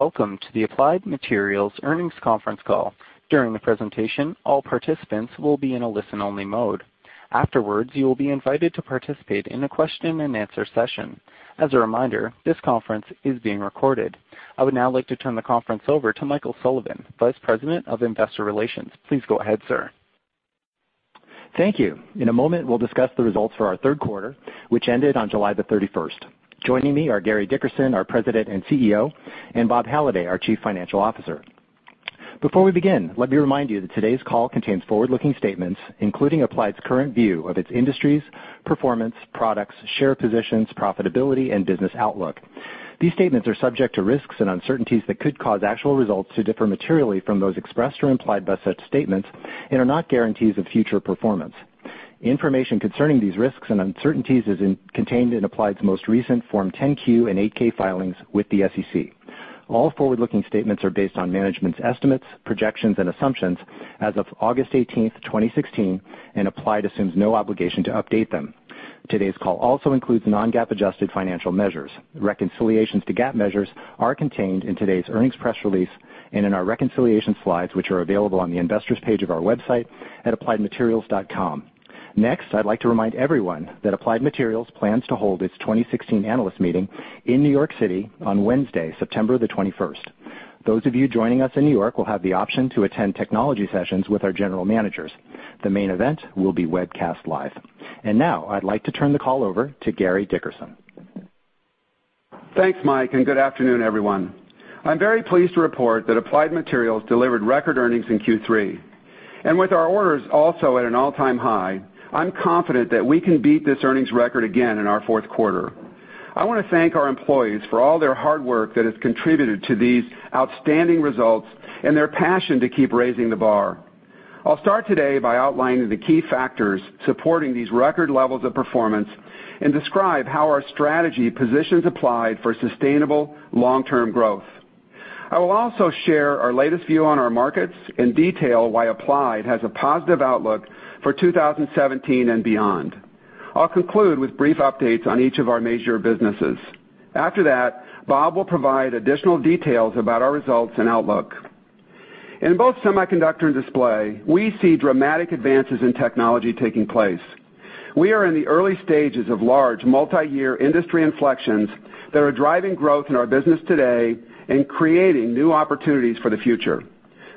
Welcome to the Applied Materials Earnings Conference Call. During the presentation, all participants will be in a listen-only mode. Afterwards, you will be invited to participate in a question and answer session. As a reminder, this conference is being recorded. I would now like to turn the conference over to Michael Sullivan, Vice President of Investor Relations. Please go ahead, sir. Thank you. In a moment, we'll discuss the results for our third quarter, which ended on July the 31st. Joining me are Gary Dickerson, our President and CEO, and Bob Halliday, our Chief Financial Officer. Before we begin, let me remind you that today's call contains forward-looking statements, including Applied's current view of its industries, performance, products, share positions, profitability, and business outlook. These statements are subject to risks and uncertainties that could cause actual results to differ materially from those expressed or implied by such statements and are not guarantees of future performance. Information concerning these risks and uncertainties is contained in Applied's most recent Form 10-Q and 8-K filings with the SEC. All forward-looking statements are based on management's estimates, projections, and assumptions as of August 18th, 2016, and Applied assumes no obligation to update them. Today's call also includes non-GAAP-adjusted financial measures. Reconciliations to GAAP measures are contained in today's earnings press release and in our reconciliation slides, which are available on the investors page of our website at appliedmaterials.com. Next, I'd like to remind everyone that Applied Materials plans to hold its 2016 analyst meeting in New York City on Wednesday, September the 21st. Those of you joining us in New York will have the option to attend technology sessions with our general managers. The main event will be webcast live. Now I'd like to turn the call over to Gary Dickerson. Thanks, Mike, good afternoon, everyone. I'm very pleased to report that Applied Materials delivered record earnings in Q3. With our orders also at an all-time high, I'm confident that we can beat this earnings record again in our fourth quarter. I want to thank our employees for all their hard work that has contributed to these outstanding results and their passion to keep raising the bar. I'll start today by outlining the key factors supporting these record levels of performance and describe how our strategy positions Applied for sustainable long-term growth. I will also share our latest view on our markets and detail why Applied has a positive outlook for 2017 and beyond. I'll conclude with brief updates on each of our major businesses. After that, Bob will provide additional details about our results and outlook. In both semiconductor and display, we see dramatic advances in technology taking place. We are in the early stages of large multi-year industry inflections that are driving growth in our business today and creating new opportunities for the future.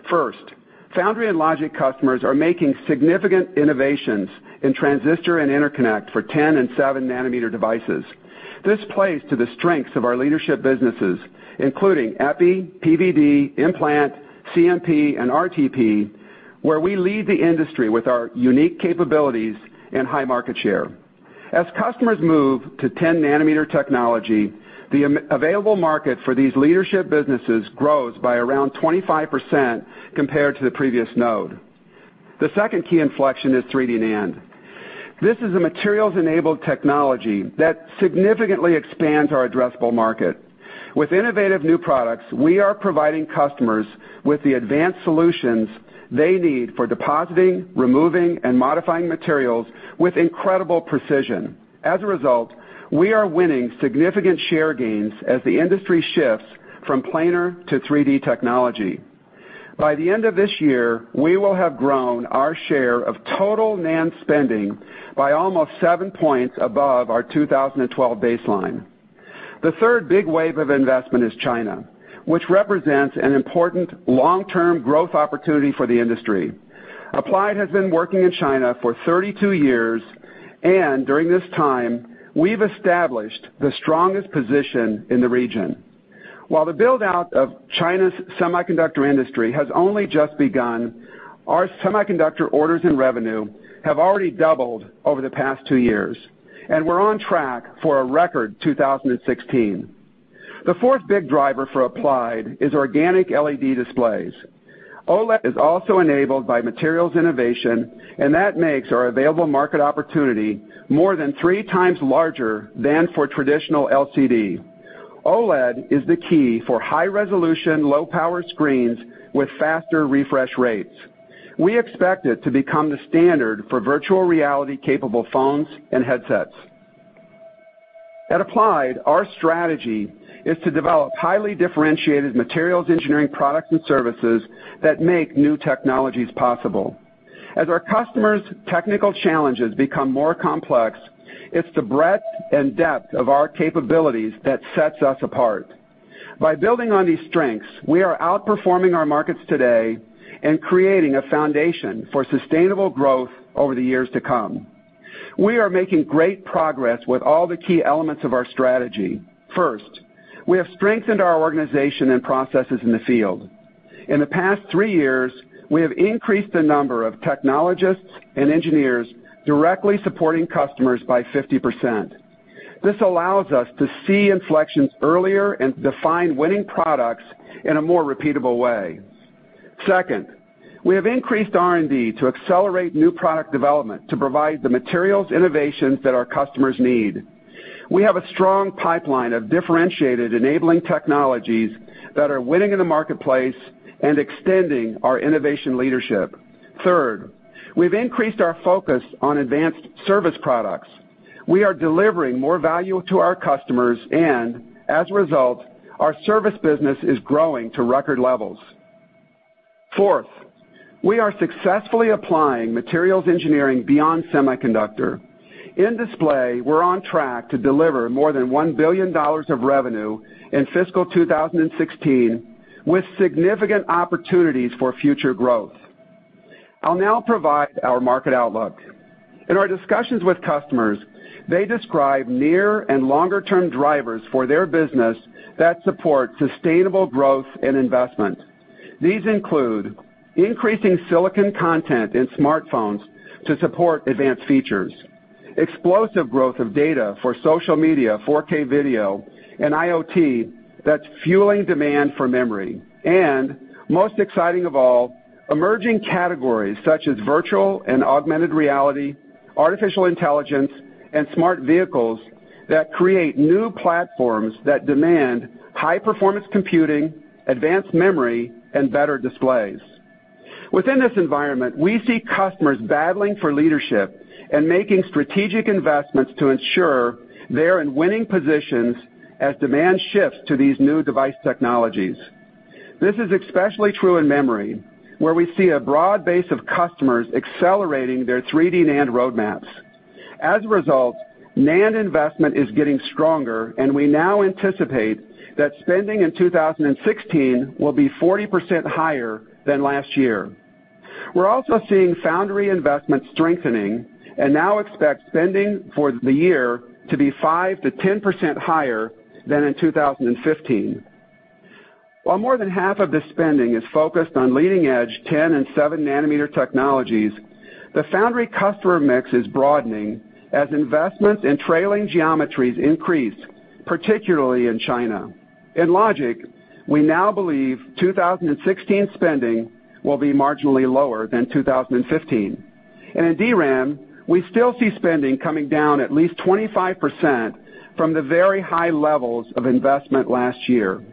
First, foundry and logic customers are making significant innovations in transistor and interconnect for 10 and seven nanometer devices. This plays to the strengths of our leadership businesses, including epi, PVD, implant, CMP, and RTP, where we lead the industry with our unique capabilities and high market share. As customers move to 10 nanometer technology, the available market for these leadership businesses grows by around 25% compared to the previous node. The second key inflection is 3D NAND. This is a materials-enabled technology that significantly expands our addressable market. With innovative new products, we are providing customers with the advanced solutions they need for depositing, removing, and modifying materials with incredible precision. As a result, we are winning significant share gains as the industry shifts from planar to 3D technology. By the end of this year, we will have grown our share of total NAND spending by almost seven points above our 2012 baseline. The third big wave of investment is China, which represents an important long-term growth opportunity for the industry. Applied has been working in China for 32 years, and during this time, we've established the strongest position in the region. While the build-out of China's semiconductor industry has only just begun, our semiconductor orders and revenue have already doubled over the past two years, and we're on track for a record 2016. The fourth big driver for Applied is organic LED displays. OLED is also enabled by materials innovation, that makes our available market opportunity more than three times larger than for traditional LCD. OLED is the key for high-resolution, low-power screens with faster refresh rates. We expect it to become the standard for virtual reality-capable phones and headsets. At Applied, our strategy is to develop highly differentiated materials engineering products and services that make new technologies possible. As our customers' technical challenges become more complex, it's the breadth and depth of our capabilities that sets us apart. By building on these strengths, we are outperforming our markets today and creating a foundation for sustainable growth over the years to come. We are making great progress with all the key elements of our strategy. First, we have strengthened our organization and processes in the field. In the past three years, we have increased the number of technologists and engineers directly supporting customers by 50%. This allows us to see inflections earlier and define winning products in a more repeatable way. Second, we have increased R&D to accelerate new product development to provide the materials innovations that our customers need. We have a strong pipeline of differentiated enabling technologies that are winning in the marketplace and extending our innovation leadership. Third, we've increased our focus on advanced service products. We are delivering more value to our customers, as a result, our service business is growing to record levels. Fourth, we are successfully applying materials engineering beyond semiconductor. In display, we're on track to deliver more than $1 billion of revenue in fiscal 2016, with significant opportunities for future growth. I'll now provide our market outlook. In our discussions with customers, they describe near and longer-term drivers for their business that support sustainable growth and investment. These include increasing silicon content in smartphones to support advanced features, explosive growth of data for social media, 4K video, and IoT that's fueling demand for memory, and most exciting of all, emerging categories such as virtual and augmented reality, artificial intelligence, and smart vehicles that create new platforms that demand high-performance computing, advanced memory, and better displays. Within this environment, we see customers battling for leadership and making strategic investments to ensure they're in winning positions as demand shifts to these new device technologies. This is especially true in memory, where we see a broad base of customers accelerating their 3D NAND roadmaps. As a result, NAND investment is getting stronger, and we now anticipate that spending in 2016 will be 40% higher than last year. We're also seeing foundry investments strengthening and now expect spending for the year to be 5%-10% higher than in 2015. While more than half of this spending is focused on leading-edge 10 and 7-nanometer technologies, the foundry customer mix is broadening as investments in trailing geometries increase, particularly in China. In logic, we now believe 2016 spending will be marginally lower than 2015. In DRAM, we still see spending coming down at least 25% from the very high levels of investment last year.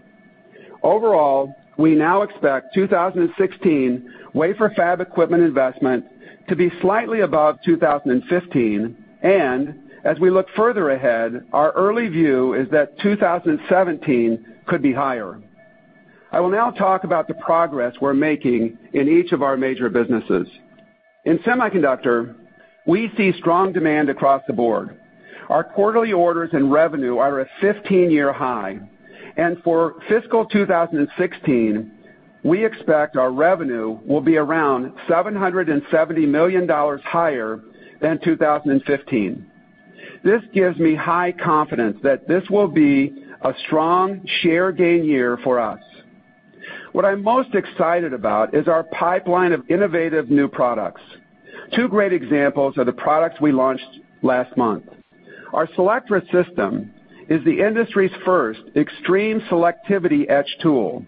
Overall, we now expect 2016 wafer fab equipment investment to be slightly above 2015, and as we look further ahead, our early view is that 2017 could be higher. I will now talk about the progress we're making in each of our major businesses. In Semiconductor, we see strong demand across the board. Our quarterly orders and revenue are at a 15-year high, and for fiscal 2016, we expect our revenue will be around $770 million higher than 2015. This gives me high confidence that this will be a strong share gain year for us. What I'm most excited about is our pipeline of innovative new products. Two great examples are the products we launched last month. Our Selectra system is the industry's first extreme selectivity etch tool.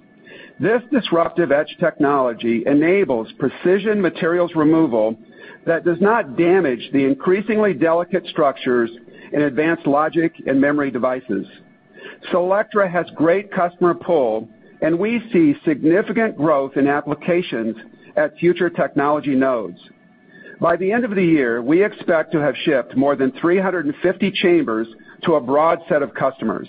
This disruptive etch technology enables precision materials removal that does not damage the increasingly delicate structures in advanced logic and memory devices. Selectra has great customer pull, and we see significant growth in applications at future technology nodes. By the end of the year, we expect to have shipped more than 350 chambers to a broad set of customers.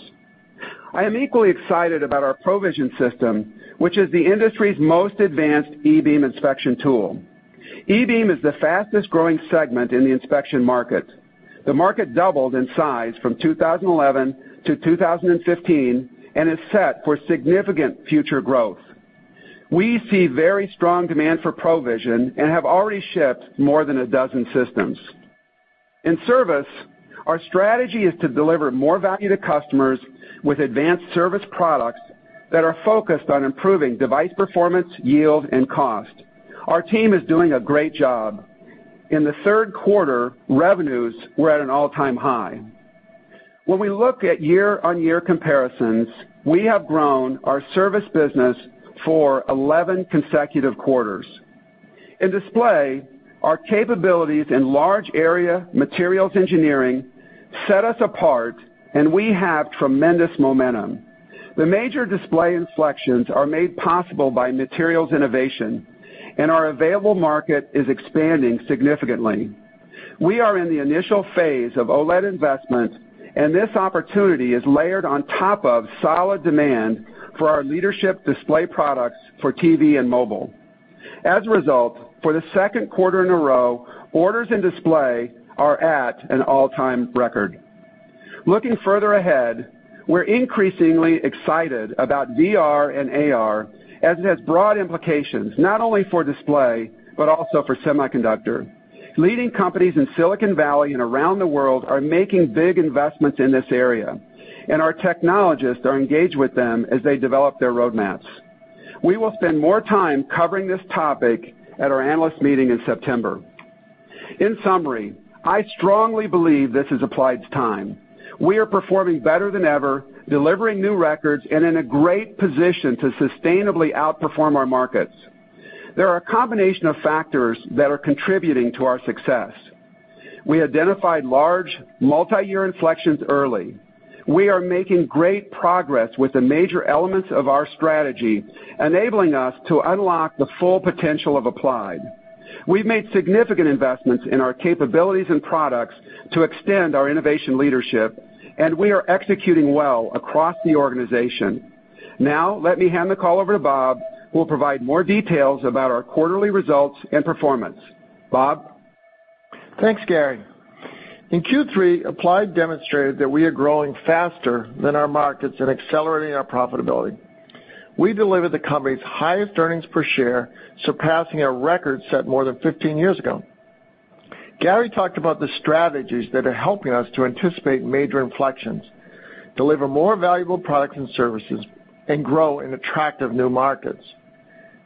I am equally excited about our PROVision system, which is the industry's most advanced e-beam inspection tool. E-beam is the fastest-growing segment in the inspection market. The market doubled in size from 2011 to 2015 and is set for significant future growth. We see very strong demand for PROVision and have already shipped more than a dozen systems. In service, our strategy is to deliver more value to customers with advanced service products that are focused on improving device performance, yield, and cost. Our team is doing a great job. In the third quarter, revenues were at an all-time high. When we look at year-over-year comparisons, we have grown our service business for 11 consecutive quarters. In Display, our capabilities in large area materials engineering set us apart, and we have tremendous momentum. The major Display inflections are made possible by materials innovation, and our available market is expanding significantly. We are in the initial phase of OLED investment, and this opportunity is layered on top of solid demand for our leadership display products for TV and mobile. As a result, for the second quarter in a row, orders in display are at an all-time record. Looking further ahead, we're increasingly excited about VR and AR, as it has broad implications not only for display but also for semiconductor. Leading companies in Silicon Valley and around the world are making big investments in this area, and our technologists are engaged with them as they develop their roadmaps. We will spend more time covering this topic at our analyst meeting in September. In summary, I strongly believe this is Applied's time. We are performing better than ever, delivering new records and in a great position to sustainably outperform our markets. There are a combination of factors that are contributing to our success. We identified large multiyear inflections early. We are making great progress with the major elements of our strategy, enabling us to unlock the full potential of Applied. We've made significant investments in our capabilities and products to extend our innovation leadership, and we are executing well across the organization. Let me hand the call over to Bob, who will provide more details about our quarterly results and performance. Bob? Thanks, Gary. In Q3, Applied demonstrated that we are growing faster than our markets and accelerating our profitability. We delivered the company's highest earnings per share, surpassing a record set more than 15 years ago. Gary talked about the strategies that are helping us to anticipate major inflections, deliver more valuable products and services, and grow in attractive new markets.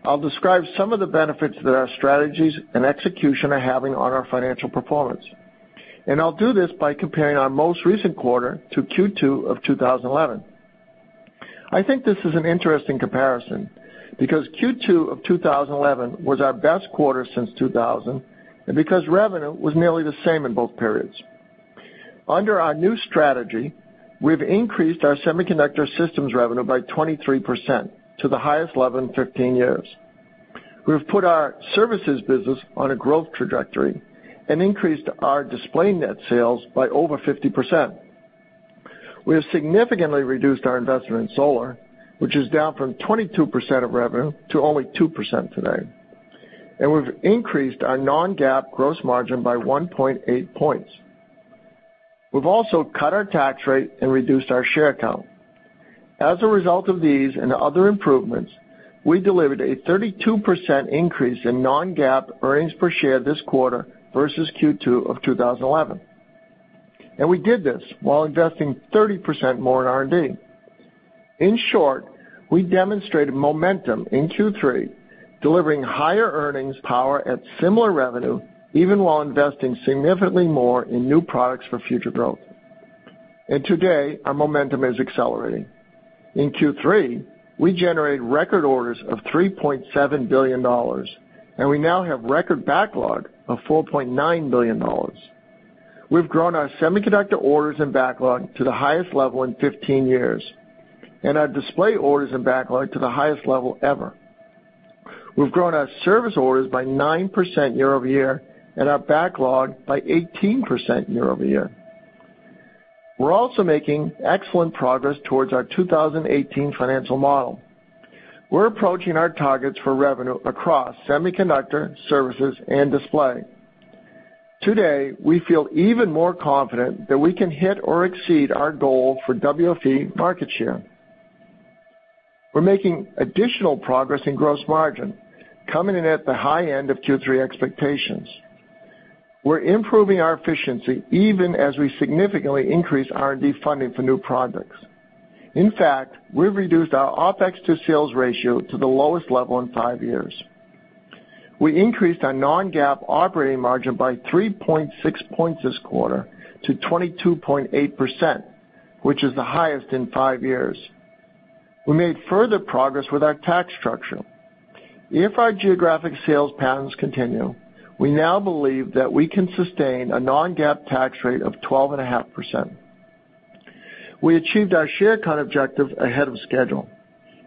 I'll describe some of the benefits that our strategies and execution are having on our financial performance, and I'll do this by comparing our most recent quarter to Q2 of 2011. I think this is an interesting comparison, because Q2 of 2011 was our best quarter since 2000, and because revenue was nearly the same in both periods. Under our new strategy, we've increased our semiconductor systems revenue by 23% to the highest level in 15 years. We've put our services business on a growth trajectory and increased our Display net sales by over 50%. We have significantly reduced our investment in solar, which is down from 22% of revenue to only 2% today. We've increased our non-GAAP gross margin by 1.8 points. We've also cut our tax rate and reduced our share count. As a result of these and other improvements, we delivered a 32% increase in non-GAAP earnings per share this quarter versus Q2 of 2011, and we did this while investing 30% more in R&D. In short, we demonstrated momentum in Q3, delivering higher earnings power at similar revenue, even while investing significantly more in new products for future growth. Today, our momentum is accelerating. In Q3, we generated record orders of $3.7 billion, and we now have record backlog of $4.9 billion. We've grown our semiconductor orders and backlog to the highest level in 15 years, and our Display orders and backlog to the highest level ever. We've grown our service orders by 9% year-over-year and our backlog by 18% year-over-year. We're also making excellent progress towards our 2018 financial model. We're approaching our targets for revenue across semiconductor, services, and Display. Today, we feel even more confident that we can hit or exceed our goal for WFE market share. We're making additional progress in gross margin, coming in at the high end of Q3 expectations. We're improving our efficiency even as we significantly increase R&D funding for new products. In fact, we've reduced our OpEx to sales ratio to the lowest level in five years. We increased our non-GAAP operating margin by 3.6 points this quarter to 22.8%, which is the highest in five years. We made further progress with our tax structure. If our geographic sales patterns continue, we now believe that we can sustain a non-GAAP tax rate of 12.5%. We achieved our share count objective ahead of schedule,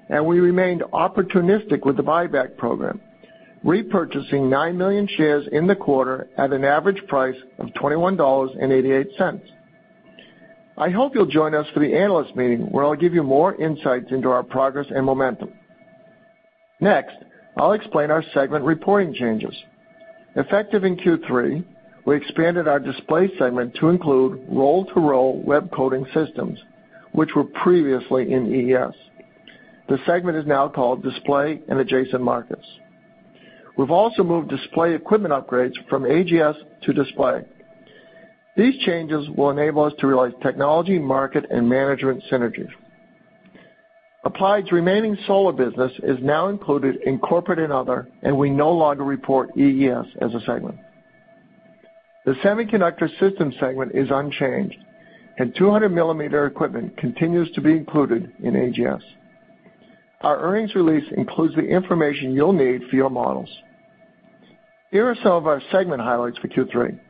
we remained opportunistic with the buyback program, repurchasing nine million shares in the quarter at an average price of $21.88. I hope you'll join us for the analyst meeting, where I'll give you more insights into our progress and momentum. Next, I'll explain our segment reporting changes. Effective in Q3, we expanded our Display segment to include roll-to-roll web coating systems, which were previously in EES. The segment is now called Display and Adjacent Markets. We've also moved Display equipment upgrades from AGS to Display. These changes will enable us to realize technology, market, and management synergies. Applied's remaining solar business is now included in Corporate and Other, we no longer report EES as a segment. The Semiconductor Systems segment is unchanged, and 200-millimeter equipment continues to be included in AGS. Our earnings release includes the information you'll need for your models. Here are some of our segment highlights for Q3.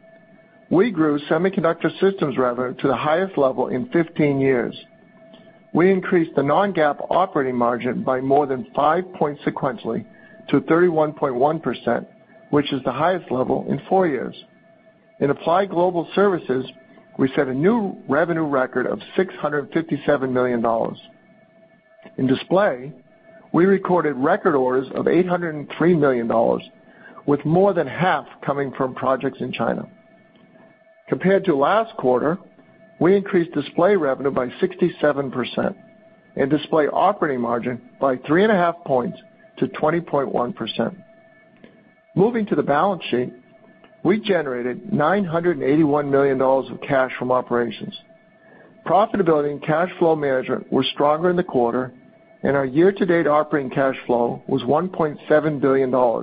We grew Semiconductor Systems revenue to the highest level in 15 years. We increased the non-GAAP operating margin by more than five points sequentially to 31.1%, which is the highest level in four years. In Applied Global Services, we set a new revenue record of $657 million. In Display, we recorded record orders of $803 million, with more than half coming from projects in China. Compared to last quarter, we increased Display revenue by 67% and Display operating margin by three and a half points to 20.1%. Moving to the balance sheet, we generated $981 million of cash from operations. Profitability and cash flow management were stronger in the quarter, our year-to-date operating cash flow was $1.7 billion, or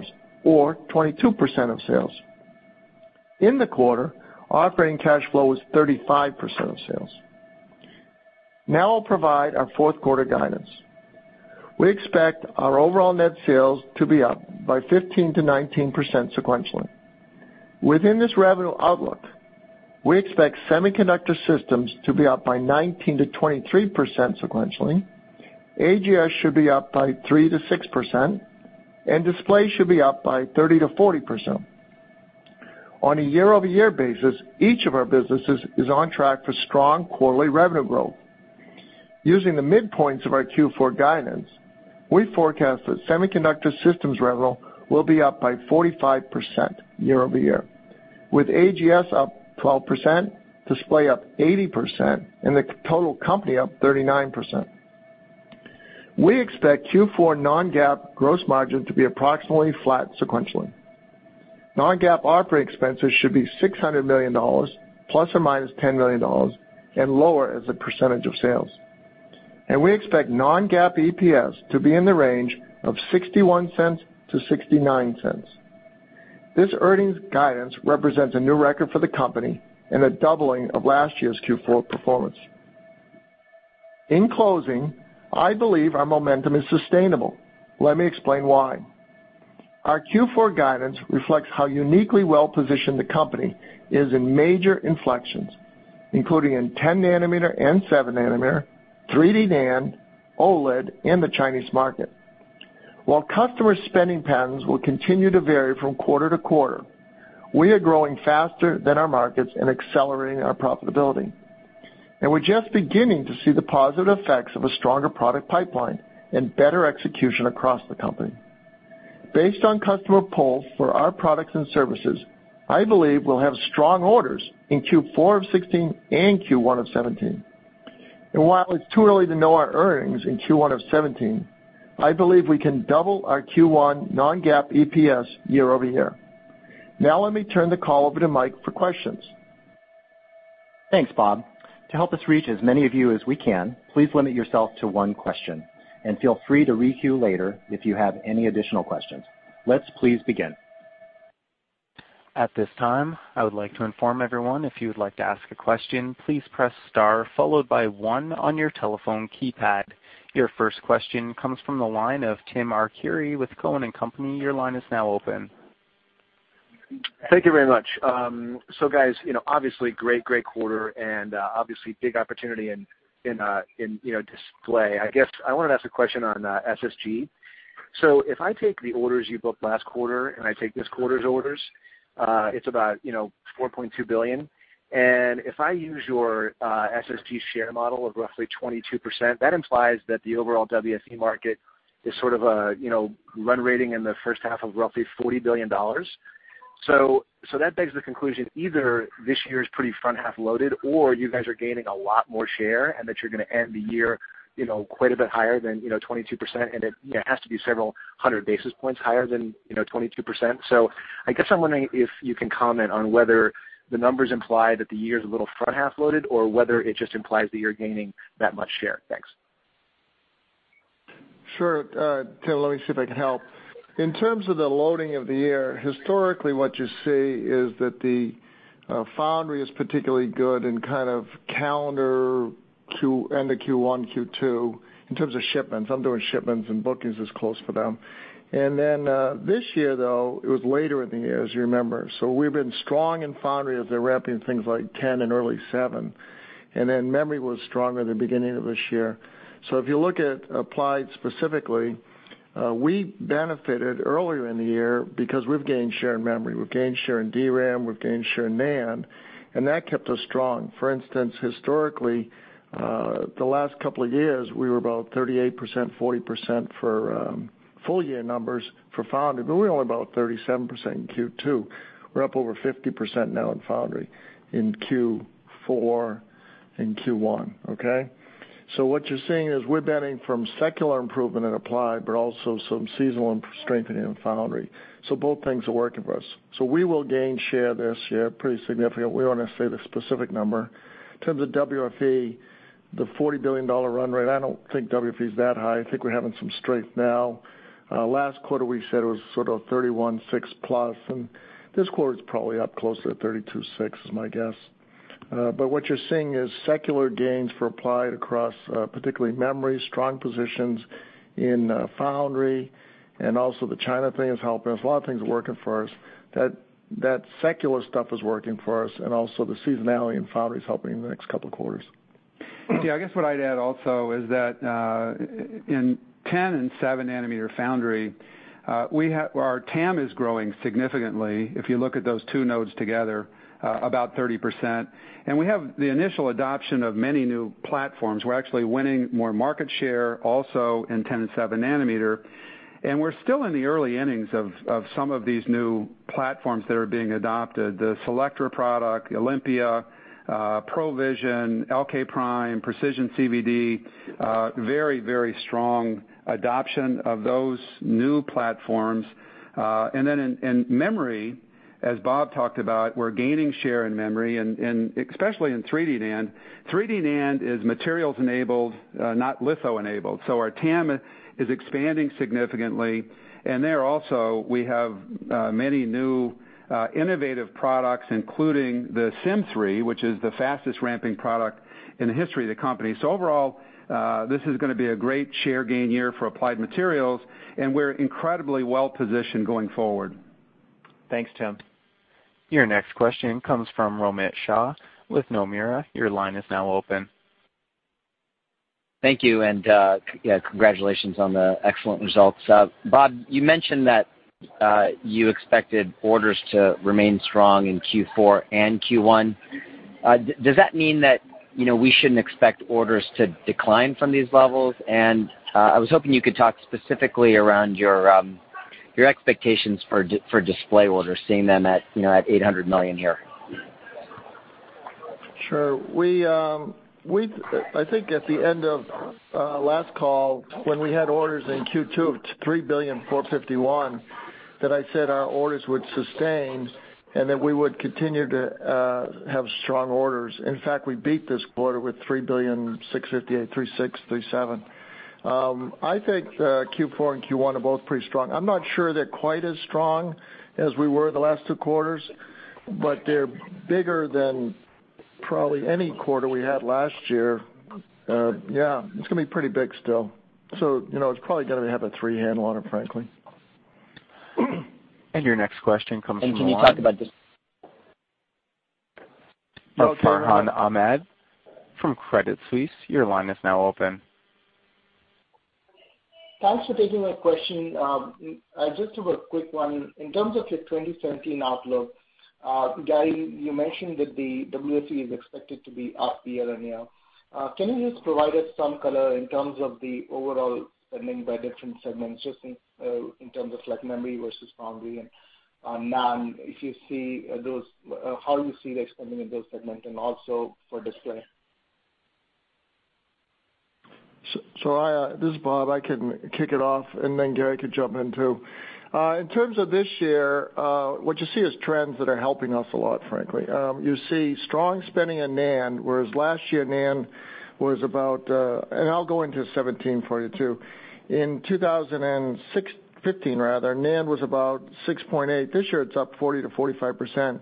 22% of sales. In the quarter, operating cash flow was 35% of sales. Now I'll provide our fourth quarter guidance. We expect our overall net sales to be up by 15%-19% sequentially. Within this revenue outlook, we expect semiconductor systems to be up by 19%-23% sequentially. AGS should be up by 3%-6%, Display should be up by 30%-40%. On a year-over-year basis, each of our businesses is on track for strong quarterly revenue growth. Using the midpoints of our Q4 guidance, we forecast that semiconductor systems revenue will be up by 45% year-over-year, with AGS up 12%, Display up 80%, the total company up 39%. We expect Q4 non-GAAP gross margin to be approximately flat sequentially. Non-GAAP operating expenses should be $600 million ±$10 million and lower as a percentage of sales. We expect non-GAAP EPS to be in the range of $0.61 to $0.69. This earnings guidance represents a new record for the company and a doubling of last year's Q4 performance. In closing, I believe our momentum is sustainable. Let me explain why. Our Q4 guidance reflects how uniquely well-positioned the company is in major inflections, including in 10 nanometer and 7 nanometer, 3D NAND, OLED, and the Chinese market. While customer spending patterns will continue to vary from quarter-to-quarter, we are growing faster than our markets and accelerating our profitability, and we're just beginning to see the positive effects of a stronger product pipeline and better execution across the company. Based on customer polls for our products and services, I believe we'll have strong orders in Q4 of 2016 and Q1 of 2017. While it's too early to know our earnings in Q1 of 2017, I believe we can double our Q1 non-GAAP EPS year-over-year. Let me turn the call over to Mike for questions. Thanks, Bob. To help us reach as many of you as we can, please limit yourself to one question, and feel free to re-queue later if you have any additional questions. Let's please begin. At this time, I would like to inform everyone if you would like to ask a question, please press star followed by one on your telephone keypad. Your first question comes from the line of Tim Arcuri with Cowen and Company. Your line is now open. Thank you very much. Guys, obviously great quarter and obviously big opportunity in display. I guess I wanted to ask a question on SSG. If I take the orders you booked last quarter and I take this quarter's orders, it's about $4.2 billion. If I use your SSG share model of roughly 22%, that implies that the overall WFE market is sort of run rating in the first half of roughly $40 billion. That begs the conclusion, either this year is pretty front-half loaded or you guys are gaining a lot more share and that you're going to end the year quite a bit higher than 22%, and it has to be several hundred basis points higher than 22%. I guess I'm wondering if you can comment on whether the numbers imply that the year is a little front-half loaded or whether it just implies that you're gaining that much share. Thanks. Sure. Tim, let me see if I can help. In terms of the loading of the year, historically what you see is that the foundry is particularly good in kind of calendar end of Q1, Q2 in terms of shipments. I'm doing shipments and bookings is close for them. This year though, it was later in the year, as you remember. We've been strong in foundry as they're ramping things like 10 and early 7, memory was stronger the beginning of this year. If you look at Applied specifically, we benefited earlier in the year because we've gained share in memory. We've gained share in DRAM, we've gained share in NAND, and that kept us strong. For instance, historically, the last couple of years, we were about 38%, 40% for full year numbers for foundry, but we're only about 37% in Q2. We're up over 50% now in foundry in Q4 and Q1, okay? What you're seeing is we're benefiting from secular improvement in Applied, but also some seasonal strengthening in foundry. Both things are working for us. We will gain share this year, pretty significant. We don't want to say the specific number. In terms of WFE, the $40 billion run rate, I don't think WFE is that high. I think we're having some strength now. Last quarter, we said it was sort of $31.6 plus, and this quarter is probably up closer to $32.6 is my guess. What you're seeing is secular gains for Applied across particularly memory, strong positions in foundry, and also the China thing is helping us. A lot of things are working for us. That secular stuff is working for us, and also the seasonality in foundry is helping in the next couple of quarters. Yeah, I guess what I'd add also is that in 10 and 7 nanometer foundry, our TAM is growing significantly, if you look at those two nodes together, about 30%. We have the initial adoption of many new platforms. We're actually winning more market share also in 10 and 7 nanometer, and we're still in the early innings of some of these new platforms that are being adopted. The Selectra product, Olympia, PROVision, LK Prime, Precision CVD, very strong adoption of those new platforms. Then in memory, as Bob talked about, we're gaining share in memory and especially in 3D NAND. 3D NAND is materials-enabled, not litho-enabled. Our TAM is expanding significantly. There also we have many new innovative products, including the Sym3, which is the fastest ramping product in the history of the company. Overall, this is going to be a great share gain year for Applied Materials, and we're incredibly well-positioned going forward. Thanks, Tim. Your next question comes from Romit Shah with Nomura. Your line is now open. Thank you. Congratulations on the excellent results. Bob, you mentioned that you expected orders to remain strong in Q4 and Q1. Does that mean that we shouldn't expect orders to decline from these levels? I was hoping you could talk specifically around your expectations for display orders, seeing them at $800 million a year. Sure. I think at the end of last call, when we had orders in Q2 of $3.451 billion, that I said our orders would sustain and that we would continue to have strong orders. In fact, we beat this quarter with $3.658 billion-[$3,637billion]. I think Q4 and Q1 are both pretty strong. I'm not sure they're quite as strong as we were the last two quarters, but they're bigger than probably any quarter we had last year. It's going to be pretty big still, so it's probably going to have a 3 handle on it, frankly. Your next question comes from the line. Can you talk about this? Farhan Ahmad from Credit Suisse. Your line is now open. Thanks for taking my question. I just have a quick one. In terms of your 2017 outlook, Gary, you mentioned that the WFE is expected to be up year-on-year. Can you just provide us some color in terms of the overall spending by different segments, just in terms of memory versus foundry and NAND, how you see the spending in those segments, and also for display. This is Bob. I can kick it off. Gary can jump in, too. In terms of this year, what you see is trends that are helping us a lot, frankly. You see strong spending in NAND, whereas last year NAND. I'll go into 2017 for you, too. In 2015, NAND was about $6.8. This year, it's up 40%-45%,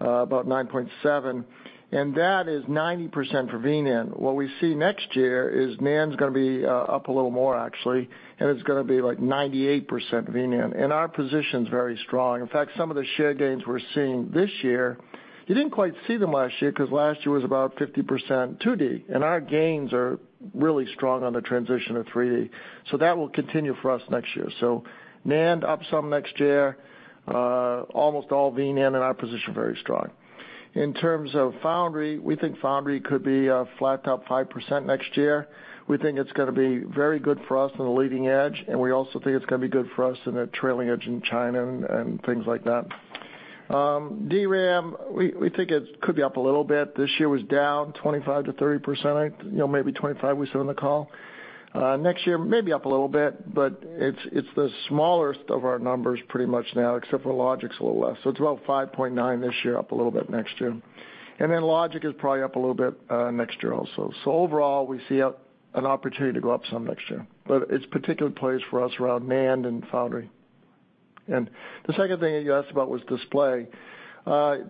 about $9.7, and that is 90% for V-NAND. What we see next year is NAND is going to be up a little more, actually, and it's going to be like 98% V-NAND. Our position is very strong. In fact, some of the share gains we're seeing this year, you didn't quite see them last year because last year was about 50% 2D, and our gains are really strong on the transition to 3D. That will continue for us next year. NAND up some next year, almost all V-NAND and our position very strong. In terms of foundry, we think foundry could be a flat to up 5% next year. We think it's going to be very good for us on the leading edge, we also think it's going to be good for us in the trailing edge in China and things like that. DRAM, we think it could be up a little bit. This year was down 25%-30%, maybe 25% we said on the call. Next year, maybe up a little bit, but it's the smallest of our numbers pretty much now, except for logic is a little less. It's about $5.9 this year, up a little bit next year. Logic is probably up a little bit next year also. Overall, we see an opportunity to go up some next year, it's particular plays for us around NAND and foundry. The second thing that you asked about was display.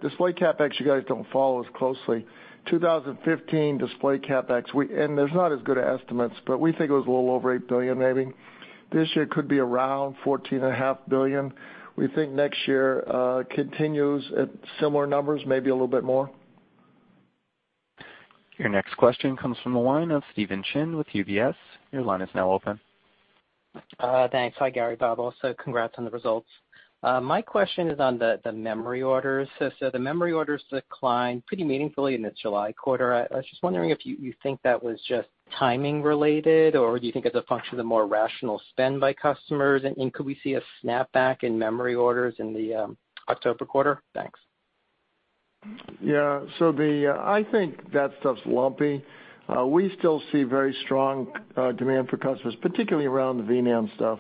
Display CapEx, you guys don't follow as closely. 2015 display CapEx, there's not as good of estimates, but we think it was a little over $8 billion, maybe. This year, it could be around $14.5 billion. We think next year continues at similar numbers, maybe a little bit more. Your next question comes from the line of Stephen Chin with UBS. Your line is now open. Thanks. Hi, Gary, Bob. Also congrats on the results. My question is on the memory orders. The memory orders declined pretty meaningfully in the July quarter. I was just wondering if you think that was just timing related, or do you think it's a function of more rational spend by customers, and could we see a snapback in memory orders in the October quarter? Thanks. Yeah. I think that stuff's lumpy. We still see very strong demand for customers, particularly around the V-NAND stuff.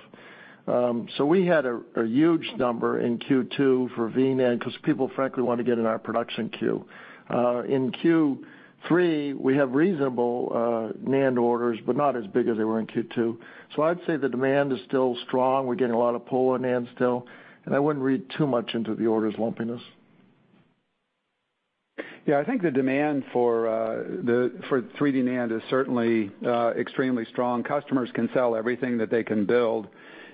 We had a huge number in Q2 for V-NAND because people frankly wanted to get in our production queue. In Q3, we have reasonable NAND orders, but not as big as they were in Q2. I'd say the demand is still strong. We're getting a lot of pull on NAND still, and I wouldn't read too much into the orders' lumpiness. I think the demand for 3D NAND is certainly extremely strong. Customers can sell everything that they can build.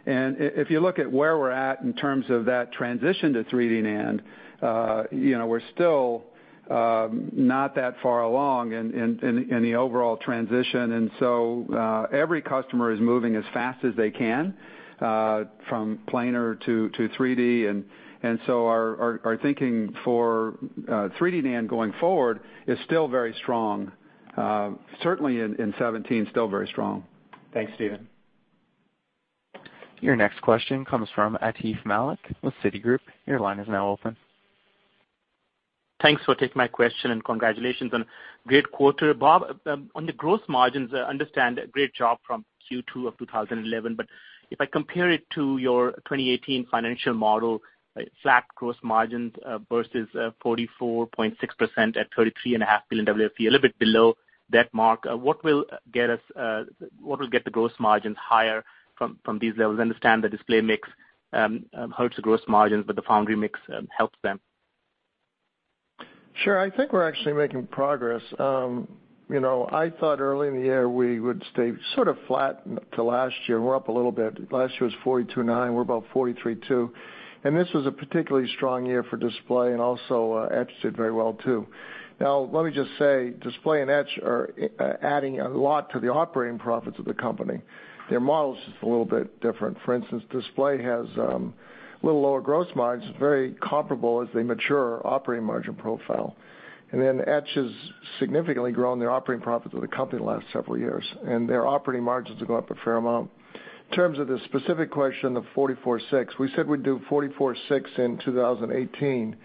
If you look at where we're at in terms of that transition to 3D NAND, we're still not that far along in the overall transition. Every customer is moving as fast as they can from planar to 3D. Our thinking for 3D NAND going forward is still very strong. Certainly in 2017, still very strong. Thanks, Stephen. Your next question comes from Atif Malik with Citigroup. Your line is now open. Thanks for taking my question and congratulations on a great quarter. Bob, on the gross margins, I understand a great job from Q2 of 2011, but if I compare it to your 2018 financial model, flat gross margins versus 44.6% at $33.5 billion WFE, a little bit below that mark. What will get the gross margins higher from these levels? I understand the display mix hurts the gross margins, but the foundry mix helps them. Sure. I think we're actually making progress. I thought early in the year we would stay sort of flat to last year. We're up a little bit. Last year was 42.9, we're about 43.2. This was a particularly strong year for Display and also etch did very well, too. Let me just say, Display and etch are adding a lot to the operating profits of the company. Their model is just a little bit different. For instance, Display has little lower gross margins, very comparable as they mature operating margin profile. Etch has significantly grown their operating profits with the company the last several years, and their operating margins are going up a fair amount. In terms of the specific question of 44.6, we said we'd do 44.6 in 2018.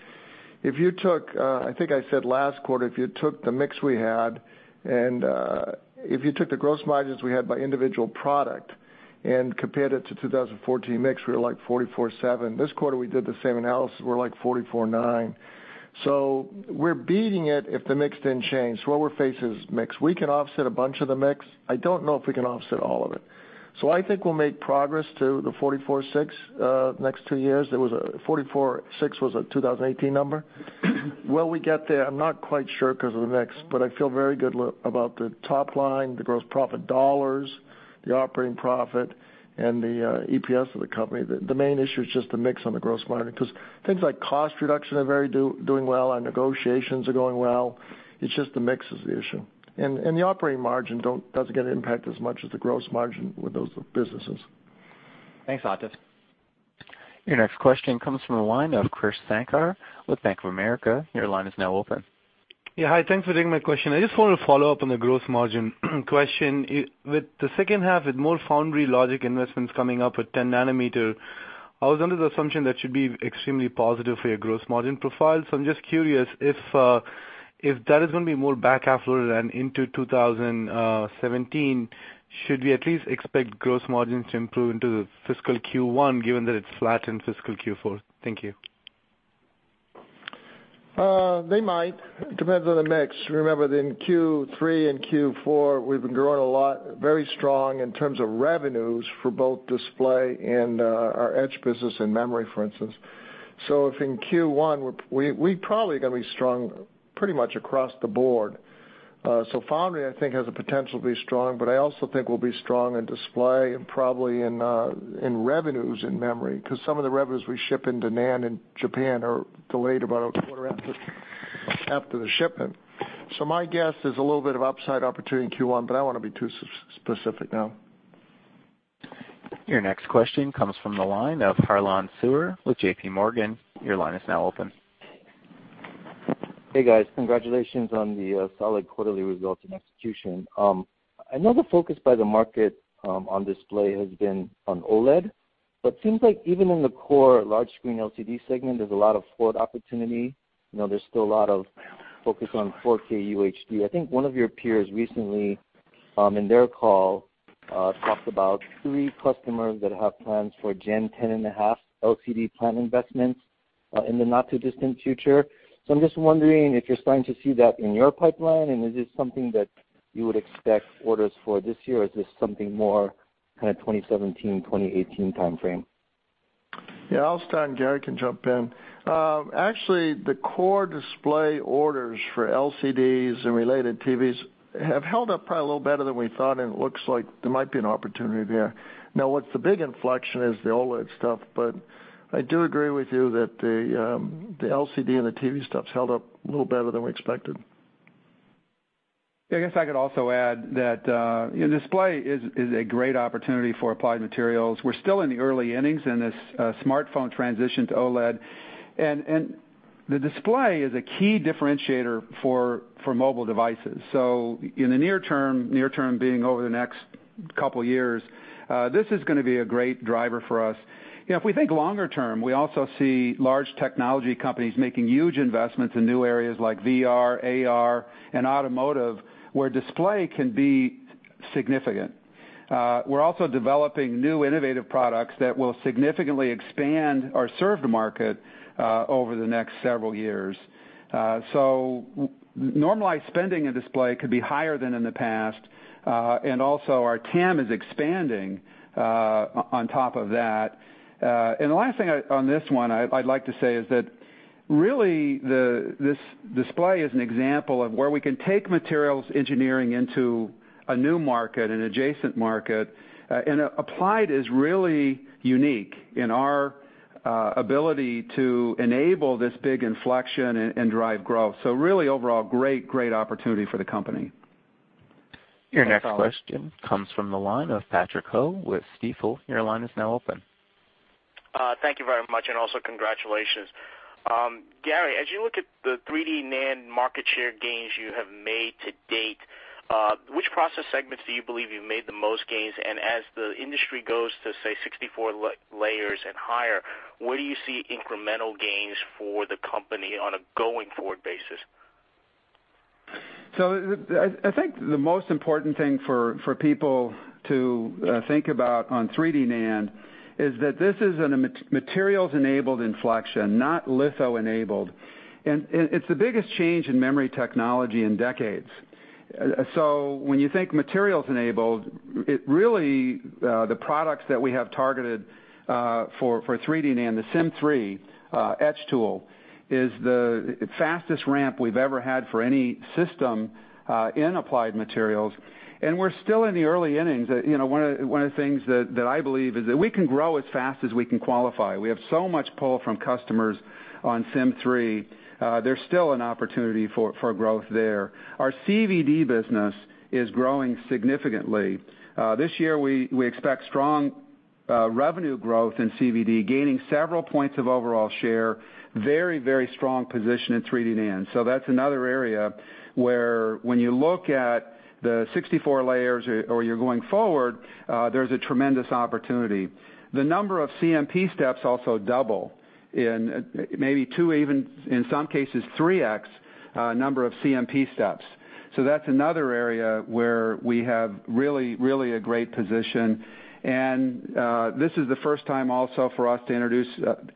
I think I said last quarter, if you took the mix we had and if you took the gross margins we had by individual product and compared it to 2014 mix, we were like 44.7. This quarter we did the same analysis, we're like 44.9. We're beating it if the mix didn't change. What we're facing is mix. We can offset a bunch of the mix. I don't know if we can offset all of it. I think we'll make progress to the 44.6 next two years. 44.6 was a 2018 number. Will we get there? I'm not quite sure because of the mix, but I feel very good about the top line, the gross profit dollars, the operating profit and the EPS of the company. The main issue is just the mix on the gross margin because things like cost reduction are doing well, our negotiations are going well. It's just the mix is the issue. The operating margin doesn't get impacted as much as the gross margin with those businesses. Thanks, Atif. Your next question comes from the line of Krish Sankar with Bank of America. Your line is now open. Hi, thanks for taking my question. I just wanted to follow up on the gross margin question. With the second half, with more foundry logic investments coming up with 10 nanometer, I was under the assumption that should be extremely positive for your gross margin profile. I'm just curious if that is going to be more back half loaded and into 2017, should we at least expect gross margins to improve into the fiscal Q1 given that it's flat in fiscal Q4? Thank you. They might. Depends on the mix. Remember that in Q3 and Q4 we've been growing a lot, very strong in terms of revenues for both display and our etch business and memory, for instance. If in Q1, we probably are going to be strong pretty much across the board. Foundry I think has the potential to be strong, but I also think we'll be strong in display and probably in revenues in memory because some of the revenues we ship into NAND in Japan are delayed about a quarter after the shipment. My guess is a little bit of upside opportunity in Q1, but I don't want to be too specific now. Your next question comes from the line of Harlan Sur with JP Morgan. Your line is now open. Hey, guys. Congratulations on the solid quarterly results and execution. I know the focus by the market on display has been on OLED, seems like even in the core large screen LCD segment, there's a lot of forward opportunity. There's still a lot of focus on 4K UHD. I think one of your peers recently, in their call, talked about three customers that have plans for Gen 10.5 LCD plant investments in the not too distant future. I'm just wondering if you're starting to see that in your pipeline, and is this something that you would expect orders for this year, or is this something more kind of 2017, 2018 timeframe? Yeah, I'll start and Gary can jump in. Actually, the core display orders for LCDs and related TVs have held up probably a little better than we thought, it looks like there might be an opportunity there. What's the big inflection is the OLED stuff, I do agree with you that the LCD and the TV stuff's held up a little better than we expected. Yeah, I guess I could also add that display is a great opportunity for Applied Materials. We're still in the early innings in this smartphone transition to OLED. The display is a key differentiator for mobile devices. In the near term, near term being over the next couple years, this is going to be a great driver for us. If we think longer term, we also see large technology companies making huge investments in new areas like VR, AR and automotive, where display can be significant. We're also developing new innovative products that will significantly expand or serve the market over the next several years. Normalized spending in display could be higher than in the past. Also our TAM is expanding on top of that. The last thing on this one I'd like to say is that really, this display is an example of where we can take materials engineering into a new market, an adjacent market. Applied is really unique in our ability to enable this big inflection and drive growth. Really overall, great opportunity for the company. Your next question comes from the line of Patrick Ho with Stifel. Your line is now open. Thank you very much, and also congratulations. Gary, as you look at the 3D NAND market share gains you have made to date, which process segments do you believe you've made the most gains? As the industry goes to, say, 64 layers and higher, where do you see incremental gains for the company on a going forward basis? I think the most important thing for people to think about on 3D NAND is that this is a materials-enabled inflection, not litho-enabled. It's the biggest change in memory technology in decades. When you think materials-enabled, really, the products that we have targeted for 3D NAND, the Sym3 etch tool, is the fastest ramp we've ever had for any system in Applied Materials, and we're still in the early innings. One of the things that I believe is that we can grow as fast as we can qualify. We have so much pull from customers on Sym3, there's still an opportunity for growth there. Our CVD business is growing significantly. This year, we expect strong revenue growth in CVD, gaining several points of overall share, very strong position in 3D NAND. That's another area where when you look at the 64 layers or you're going forward, there's a tremendous opportunity. The number of CMP steps also double in maybe two, even in some cases, three X number of CMP steps. That's another area where we have really a great position. This is the first time also for us to introduce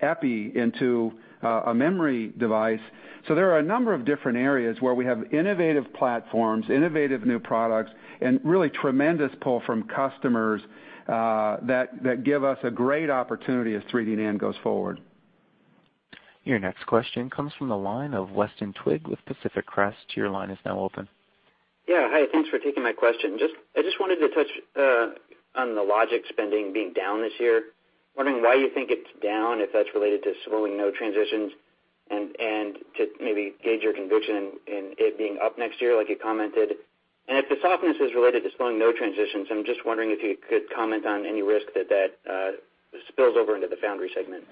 epi into a memory device. There are a number of different areas where we have innovative platforms, innovative new products, and really tremendous pull from customers that give us a great opportunity as 3D NAND goes forward. Your next question comes from the line of Weston Twigg with Pacific Crest. Your line is now open. Yeah. Hi, thanks for taking my question. I just wanted to touch on the Logic spending being down this year. Wondering why you think it's down, if that's related to slowing node transitions, and to maybe gauge your conviction in it being up next year, like you commented. If the softness is related to slowing node transitions, I'm just wondering if you could comment on any risk that that spills over into the foundry segment.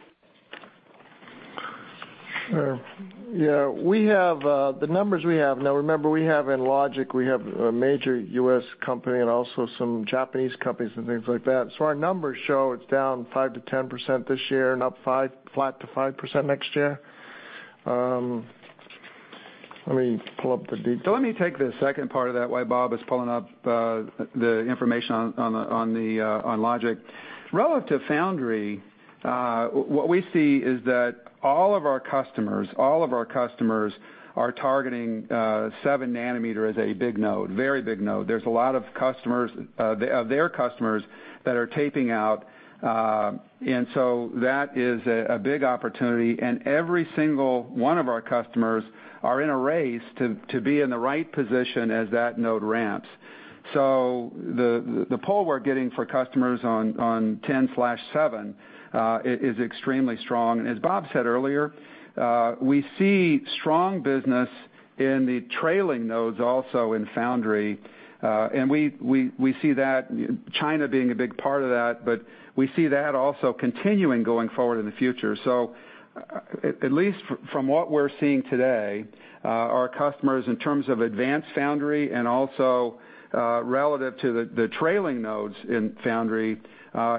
Yeah. The numbers we have-- now remember, we have in Logic, we have a major U.S. company and also some Japanese companies and things like that. Our numbers show it's down 5%-10% this year and up flat to 5% next year. Let me take the second part of that while Bob is pulling up the information on Logic. Relative foundry, what we see is that all of our customers are targeting 7 nanometer as a big node, very big node. There's a lot of their customers that are taping out. That is a big opportunity, and every single one of our customers are in a race to be in the right position as that node ramps. The pull we're getting for customers on 10/7 is extremely strong. As Bob said earlier, we see strong business in the trailing nodes also in foundry. We see China being a big part of that, but we see that also continuing going forward in the future. At least from what we're seeing today, our customers, in terms of advanced foundry and also relative to the trailing nodes in foundry,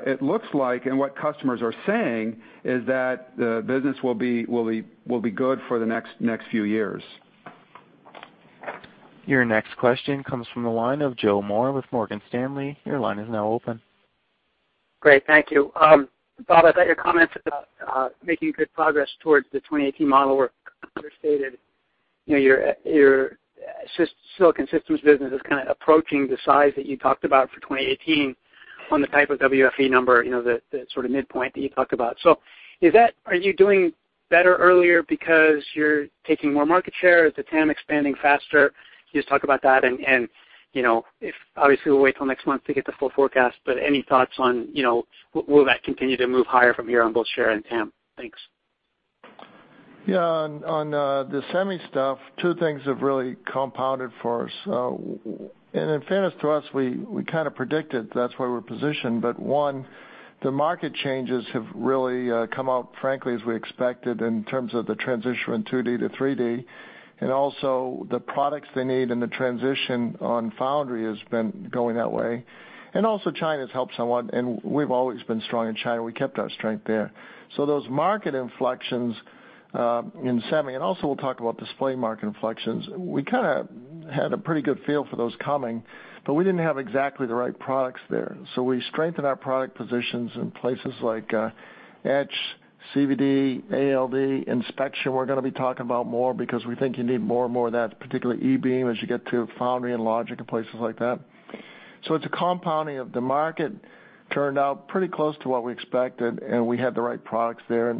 it looks like, and what customers are saying, is that the business will be good for the next few years. Your next question comes from the line of Joe Moore with Morgan Stanley. Your line is now open. Great. Thank you. Bob, I thought your comments about making good progress towards the 2018 model were understated. Your silicon systems business is kind of approaching the size that you talked about for 2018 on the type of WFE number, the sort of midpoint that you talked about. Are you doing better earlier because you're taking more market share? Is the TAM expanding faster? Can you just talk about that. Obviously, we'll wait till next month to get the full forecast. Any thoughts on will that continue to move higher from here on both share and TAM? Thanks. Yeah. On the semi stuff, two things have really compounded for us. In fairness to us, we kind of predicted that's why we're positioned. One, the market changes have really come out, frankly, as we expected in terms of the transition from 2D to 3D, and also the products they need and the transition on foundry has been going that way. Also China's helped somewhat, and we've always been strong in China. We kept our strength there. Those market inflections in semi, and also we'll talk about display market inflections, we kind of had a pretty good feel for those coming. We didn't have exactly the right products there. We strengthened our product positions in places like etch, CVD, ALD, inspection. We're going to be talking about more because we think you need more and more of that, particularly E-beam, as you get to foundry and logic and places like that. It's a compounding of the market turned out pretty close to what we expected, and we had the right products there.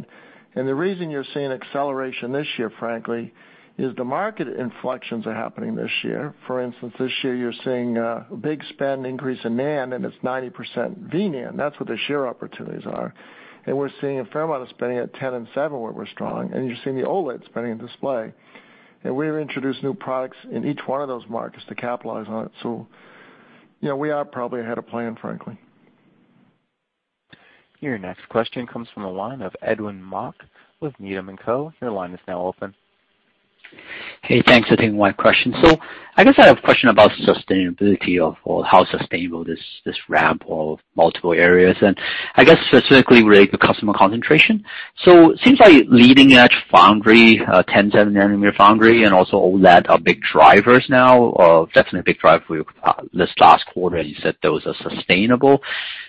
The reason you're seeing acceleration this year, frankly, is the market inflections are happening this year. For instance, this year you're seeing a big spend increase in NAND, and it's 90% V-NAND. That's what the share opportunities are. We're seeing a fair amount of spending at 10 and 7 where we're strong, and you're seeing the OLED spending in display. We've introduced new products in each one of those markets to capitalize on it. We are probably ahead of plan, frankly. Your next question comes from the line of Edwin Mok with Needham & Company. Your line is now open. Hey, thanks for taking my question. I guess I have a question about sustainability of, or how sustainable this ramp of multiple areas, and I guess specifically related to customer concentration. It seems like leading-edge foundry, 10/7 nanometer foundry, and also OLED are big drivers now. Definitely a big driver for your list last quarter, and you said those are sustainable.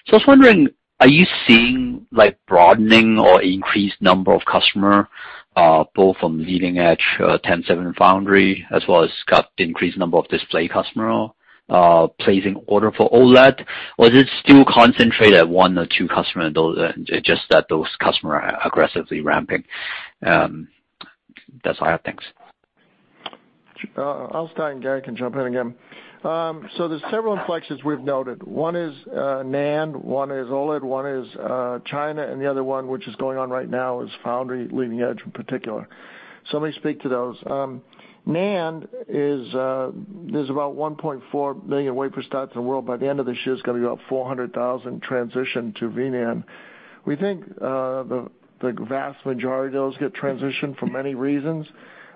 I was wondering, are you seeing broadening or increased number of customer, both from leading-edge 10/7 foundry as well as increased number of display customer placing order for OLED? Or is it still concentrated at one or two customer and just that those customer are aggressively ramping? That's all I have. Thanks. I'll start, and Gary can jump in again. There's several inflections we've noted. One is NAND, one is OLED, one is China, and the other one, which is going on right now, is foundry leading edge in particular. Let me speak to those. NAND, there's about 1.4 million wafers out in the world. By the end of this year, it's going to be about 400,000 transition to V-NAND. We think the vast majority of those get transitioned for many reasons.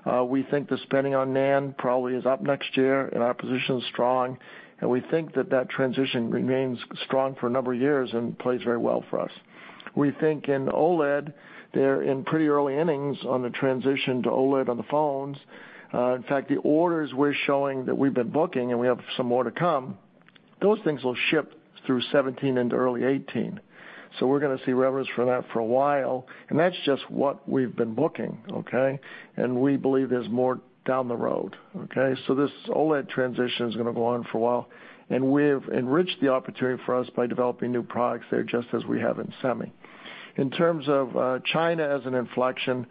We think the spending on NAND probably is up next year, and our position is strong, and we think that that transition remains strong for a number of years and plays very well for us. We think in OLED, they're in pretty early innings on the transition to OLED on the phones. In fact, the orders we're showing that we've been booking, and we have some more to come, those things will ship through 2017 into early 2018. We're going to see revenues for that for a while, and that's just what we've been booking, okay? We believe there's more down the road, okay? This OLED transition is going to go on for a while, and we've enriched the opportunity for us by developing new products there just as we have in semi. In terms of China as an inflection,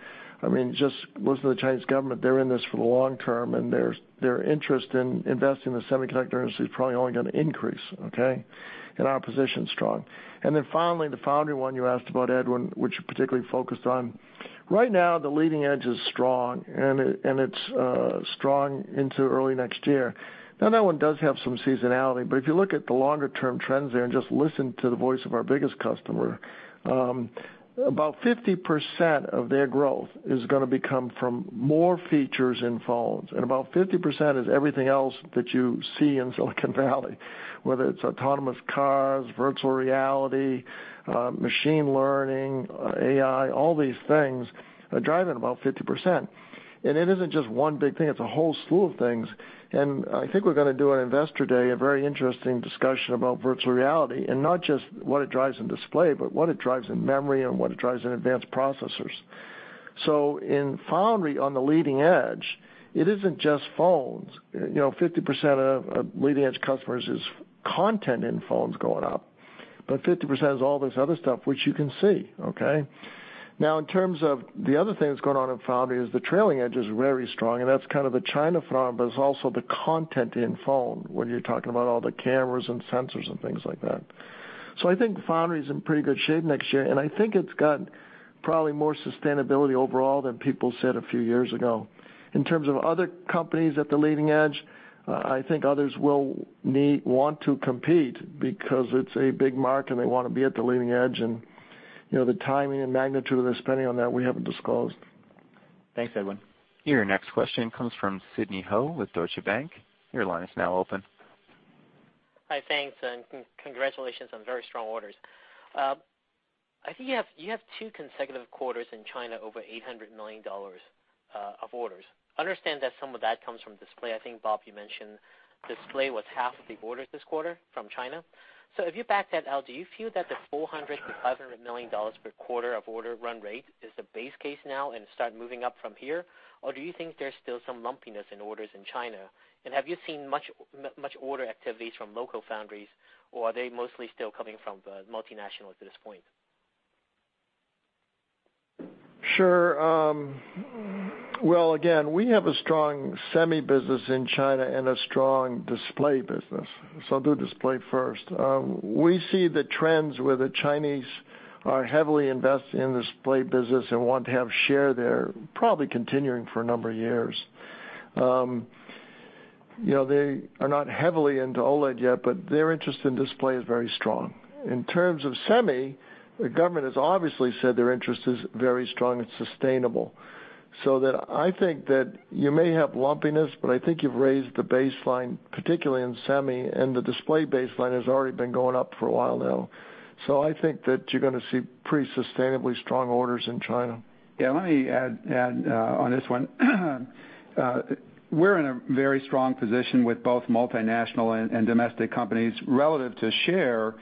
just listen to the Chinese government, they're in this for the long term, and their interest in investing in the semiconductor industry is probably only going to increase, okay? Our position is strong. Then finally, the foundry one you asked about, Edwin, which you particularly focused on. Right now, the leading edge is strong, it's strong into early next year. That one does have some seasonality, but if you look at the longer-term trends there and just listen to the voice of our biggest customer, about 50% of their growth is going to be coming from more features in phones, about 50% is everything else that you see in Silicon Valley, whether it's autonomous cars, virtual reality, machine learning, AI, all these things are driving about 50%. It isn't just one big thing, it's a whole slew of things, and I think we're going to do on investor day a very interesting discussion about virtual reality, and not just what it drives in display, but what it drives in memory and what it drives in advanced processors. In foundry, on the leading edge, it isn't just phones. 50% of leading-edge customers is content in phones going up, 50% is all this other stuff which you can see, okay? In terms of the other thing that's going on in foundry is the trailing edge is very strong, that's kind of the China fab, but it's also the content in phone, when you're talking about all the cameras and sensors and things like that. I think foundry's in pretty good shape next year, I think it's got probably more sustainability overall than people said a few years ago. In terms of other companies at the leading edge, I think others will want to compete because it's a big market and they want to be at the leading edge, and the timing and magnitude of their spending on that we haven't disclosed. Thanks, Edwin. Your next question comes from Sidney Ho with Deutsche Bank. Your line is now open. Hi, thanks. Congratulations on very strong orders. I think you have two consecutive quarters in China over $800 million of orders. Understand that some of that comes from display. I think, Bob, you mentioned display was half of the orders this quarter from China. If you back that out, do you feel that the $400 million-$500 million per quarter of order run rate is the base case now and start moving up from here, or do you think there's still some lumpiness in orders in China? Have you seen much order activities from local foundries, or are they mostly still coming from the multinationals at this point? Sure. Well, again, we have a strong semi business in China and a strong display business, so I'll do display first. We see the trends where the Chinese are heavily invested in the display business and want to have share there, probably continuing for a number of years. They are not heavily into OLED yet, but their interest in display is very strong. In terms of semi, the government has obviously said their interest is very strong and sustainable. I think that you may have lumpiness, but I think you've raised the baseline, particularly in semi, and the display baseline has already been going up for a while now. I think that you're going to see pretty sustainably strong orders in China. Yeah, let me add on this one. We're in a very strong position with both multinational and domestic companies. Relative to share,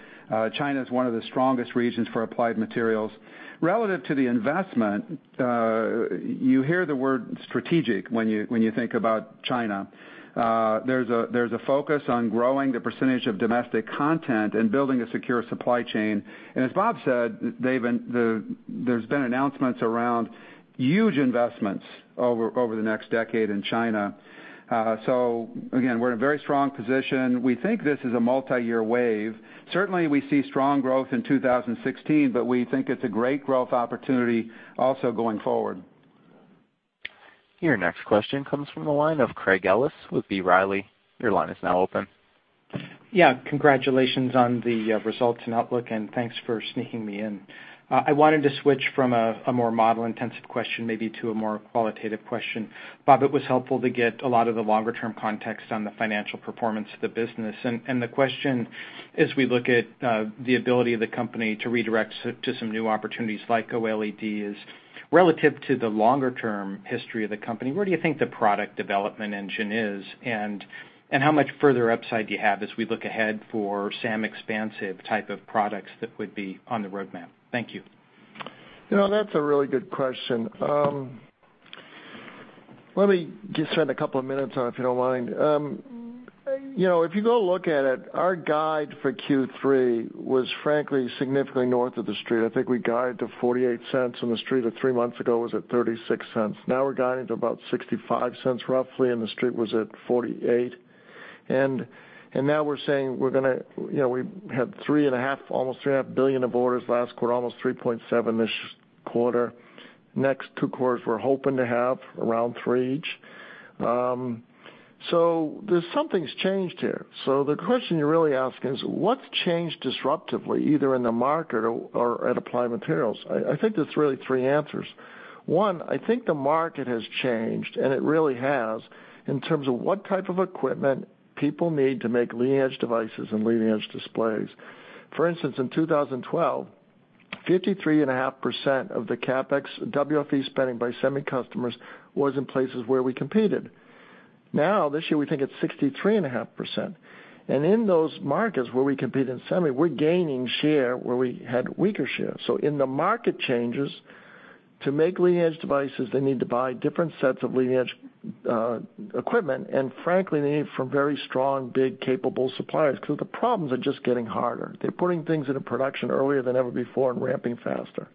China's one of the strongest regions for Applied Materials. Relative to the investment, you hear the word strategic when you think about China. There's a focus on growing the percentage of domestic content and building a secure supply chain. As Bob said, there's been announcements around huge investments over the next decade in China. Again, we're in a very strong position. We think this is a multi-year wave. Certainly, we see strong growth in 2016, but we think it's a great growth opportunity also going forward. Your next question comes from the line of Craig Ellis with B. Riley. Your line is now open. Yeah. Congratulations on the results and outlook, thanks for sneaking me in. I wanted to switch from a more model-intensive question maybe to a more qualitative question. Bob, it was helpful to get a lot of the longer-term context on the financial performance of the business. The question, as we look at the ability of the company to redirect to some new opportunities like OLED is Relative to the longer-term history of the company, where do you think the product development engine is, and how much further upside do you have as we look ahead for SAM expansive type of products that would be on the roadmap? Thank you. That's a really good question. Let me just spend a couple of minutes on it, if you don't mind. If you go look at it, our guide for Q3 was frankly, significantly north of the street. I think we guide to $0.48 on the street three months ago was at $0.36. Now we're guiding to about $0.65 roughly, and the street was at $0.48. Now we're saying we had almost $3.5 billion of orders last quarter, almost $3.7 billion this quarter. Next two quarters, we're hoping to have around $3 billion each. Something's changed here. The question you're really asking is, what's changed disruptively, either in the market or at Applied Materials? I think there's really three answers. One, I think the market has changed, and it really has, in terms of what type of equipment people need to make leading-edge devices and leading-edge displays. For instance, in 2012, 53.5% of the CapEx WFE spending by semi customers was in places where we competed. Now, this year, we think it's 63.5%. In those markets where we compete in semi, we're gaining share where we had weaker share. In the market changes, to make leading-edge devices, they need to buy different sets of leading-edge equipment. Frankly, they need it from very strong, big, capable suppliers, because the problems are just getting harder. They're putting things into production earlier than ever before and ramping faster.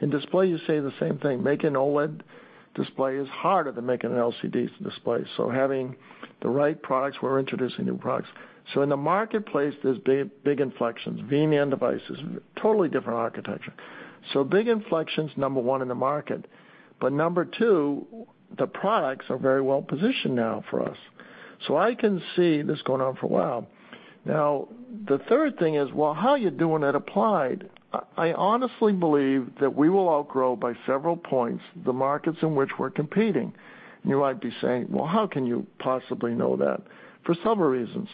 In display, you see the same thing. Making OLED display is harder than making an LCD display. Having the right products, we're introducing new products. In the marketplace, there's big inflections. V-NAND devices, totally different architecture. Big inflection's number 1 in the market. Number 2, the products are very well-positioned now for us. I can see this going on for a while. The third thing is, well, how are you doing at Applied? I honestly believe that we will outgrow by several points the markets in which we're competing. You might be saying, "Well, how can you possibly know that?" For several reasons.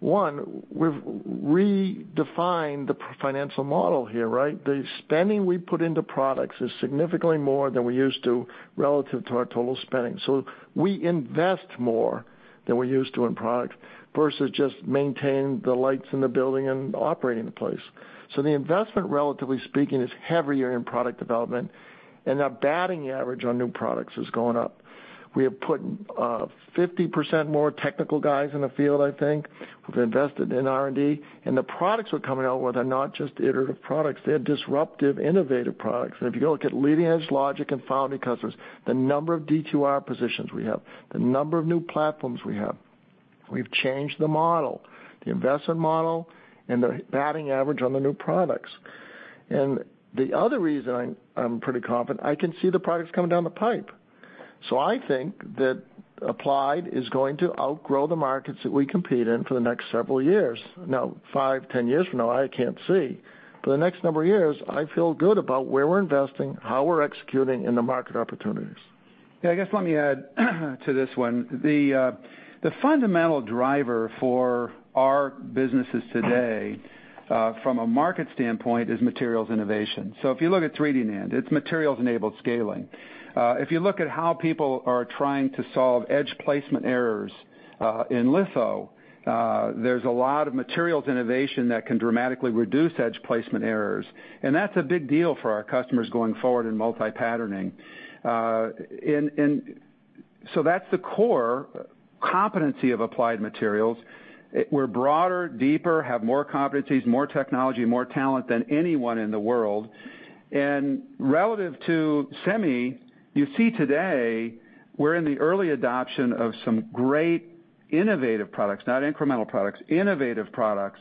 One, we've redefined the financial model here. The spending we put into products is significantly more than we used to relative to our total spending. We invest more than we used to in products, versus just maintain the lights in the building and operating the place. The investment, relatively speaking, is heavier in product development, and our batting average on new products is going up. We have put 50% more technical guys in the field, I think. We've invested in R&D, and the products we're coming out with are not just iterative products. They're disruptive, innovative products. If you go look at leading-edge logic and foundry customers, the number of D2R positions we have, the number of new platforms we have. We've changed the model, the investment model, and the batting average on the new products. The other reason I'm pretty confident, I can see the products coming down the pipe. I think that Applied is going to outgrow the markets that we compete in for the next several years. Now, 5, 10 years from now, I can't see. The next number of years, I feel good about where we're investing, how we're executing, and the market opportunities. Yeah, I guess let me add to this one. The fundamental driver for our businesses today, from a market standpoint, is materials innovation. If you look at 3D NAND, it's materials-enabled scaling. If you look at how people are trying to solve edge placement errors in litho, there's a lot of materials innovation that can dramatically reduce edge placement errors, and that's a big deal for our customers going forward in multi-patterning. That's the core competency of Applied Materials. We're broader, deeper, have more competencies, more technology, more talent than anyone in the world. Relative to semi, you see today, we're in the early adoption of some great innovative products, not incremental products, innovative products.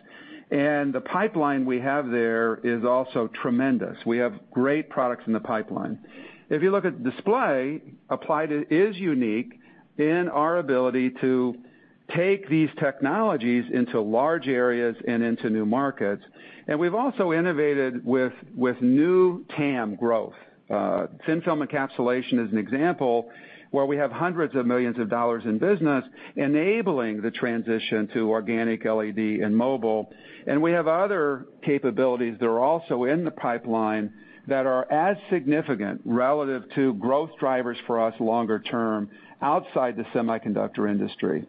The pipeline we have there is also tremendous. We have great products in the pipeline. If you look at display, Applied is unique in our ability to take these technologies into large areas and into new markets. We've also innovated with new TAM growth. Thin film encapsulation is an example where we have $hundreds of millions in business enabling the transition to organic LED and mobile. We have other capabilities that are also in the pipeline that are as significant relative to growth drivers for us longer term outside the semiconductor industry.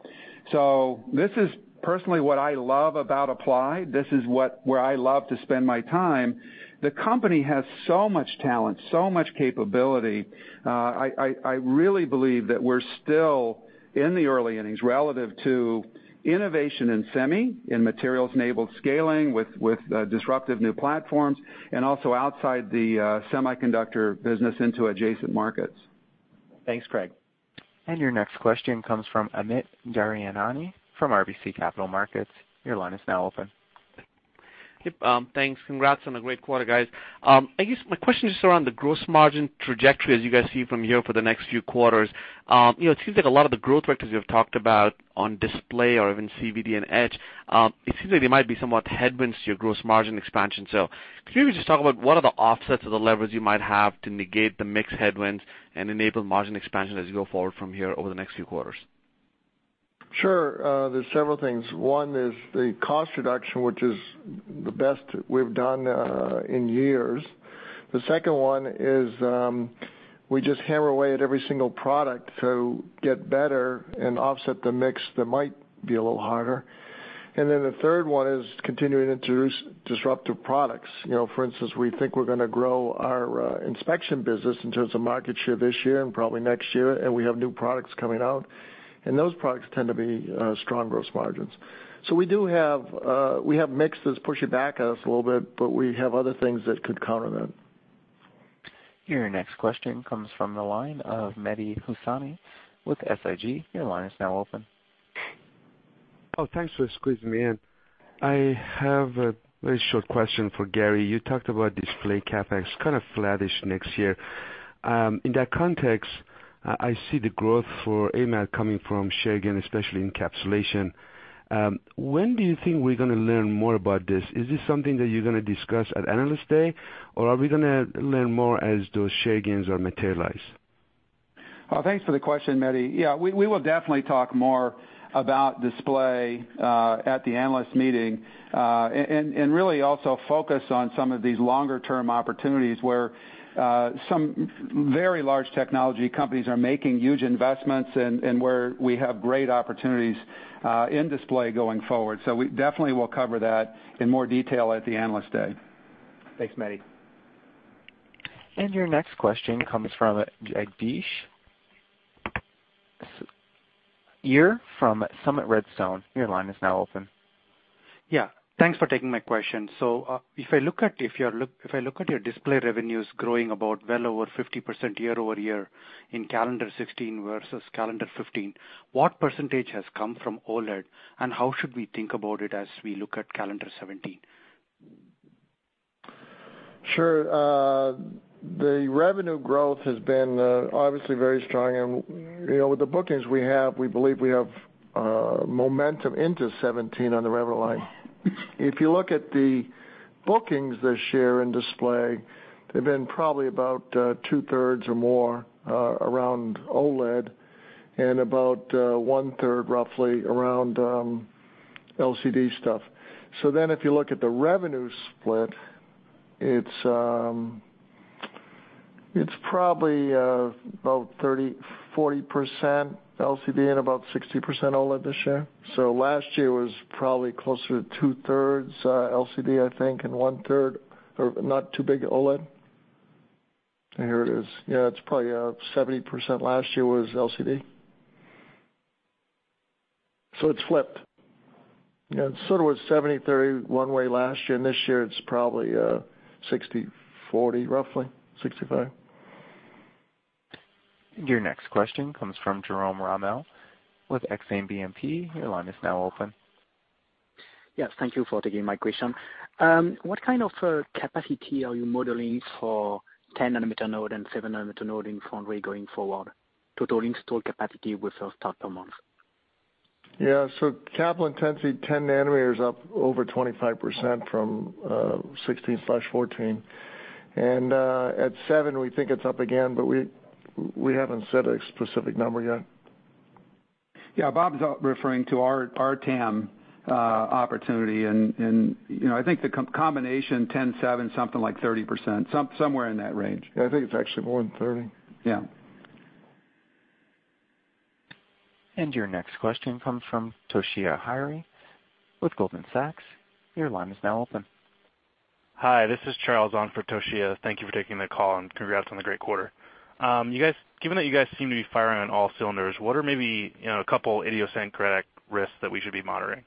This is personally what I love about Applied. This is where I love to spend my time. The company has so much talent, so much capability. I really believe that we're still in the early innings relative to innovation in semi, in materials-enabled scaling with disruptive new platforms, and also outside the semiconductor business into adjacent markets. Thanks, Craig. Your next question comes from Amit Daryanani from RBC Capital Markets. Your line is now open. Yep, thanks. Congrats on a great quarter, guys. I guess my question is just around the gross margin trajectory as you guys see from here for the next few quarters. It seems like a lot of the growth vectors you have talked about on display or even CVD and etch, it seems like they might be somewhat headwinds to your gross margin expansion. Could you just talk about what are the offsets or the levers you might have to negate the mix headwinds and enable margin expansion as you go forward from here over the next few quarters? Sure. There's several things. One is the cost reduction, which is the best we've done in years. The second one is, we just hammer away at every single product to get better and offset the mix that might be a little harder. The third one is continuing to introduce disruptive products. For instance, we think we're going to grow our inspection business in terms of market share this year and probably next year, and we have new products coming out. Those products tend to be strong gross margins. We have mixes pushing back at us a little bit, but we have other things that could counter that. Your next question comes from the line of Mehdi Hosseini with SIG. Your line is now open. Oh, thanks for squeezing me in. I have a very short question for Gary. You talked about display CapEx kind of flattish next year. In that context, I see the growth for AMAT coming from share gain, especially encapsulation. When do you think we're going to learn more about this? Is this something that you're going to discuss at Analyst Day, or are we going to learn more as those share gains are materialized? Well, thanks for the question, Mehdi. Yeah, we will definitely talk more about display, at the Analyst Day. Really also focus on some of these longer-term opportunities where some very large technology companies are making huge investments and where we have great opportunities, in display going forward. We definitely will cover that in more detail at the Analyst Day. Thanks, Mehdi. Your next question comes from Jagadish Iyer from Summit Redstone. Your line is now open. Yeah. Thanks for taking my question. If I look at your display revenues growing about well over 50% year-over-year in calendar 2016 versus calendar 2015, what % has come from OLED, and how should we think about it as we look at calendar 2017? Sure. The revenue growth has been obviously very strong and with the bookings we have, we believe we have momentum into 2017 on the revenue line. If you look at the bookings this year in display, they've been probably about 2/3 or more around OLED and about 1/3, roughly, around LCD stuff. If you look at the revenue split, it's probably about 30%-40% LCD and about 60% OLED this year. Last year was probably closer to 2/3 LCD, I think, and 1/3, or not too big OLED. Here it is. Yeah, it's probably 70% last year was LCD. It's flipped. Yeah, it sort of was 70/30 one way last year, and this year, it's probably 60/40, roughly 65%. Your next question comes from Jerome Ramel with Exane BNP. Your line is now open. Yes, thank you for taking my question. What kind of capacity are you modeling for 10-nanometer node and 7-nanometer node in foundry going forward, total installed capacity with those top amounts? Yeah. Capital intensity, 10-nanometer is up over 25% from, 16/14. At 7, we think it's up again, but we haven't set a specific number yet. Yeah, Bob's referring to our TAM opportunity and I think the combination 10/7, something like 30%, somewhere in that range. Yeah, I think it's actually more than 30. Yeah. Your next question comes from Toshiya Hari with Goldman Sachs. Your line is now open. Hi, this is Charles on for Toshiya. Thank you for taking the call, and congrats on the great quarter. Given that you guys seem to be firing on all cylinders, what are maybe a couple idiosyncratic risks that we should be monitoring?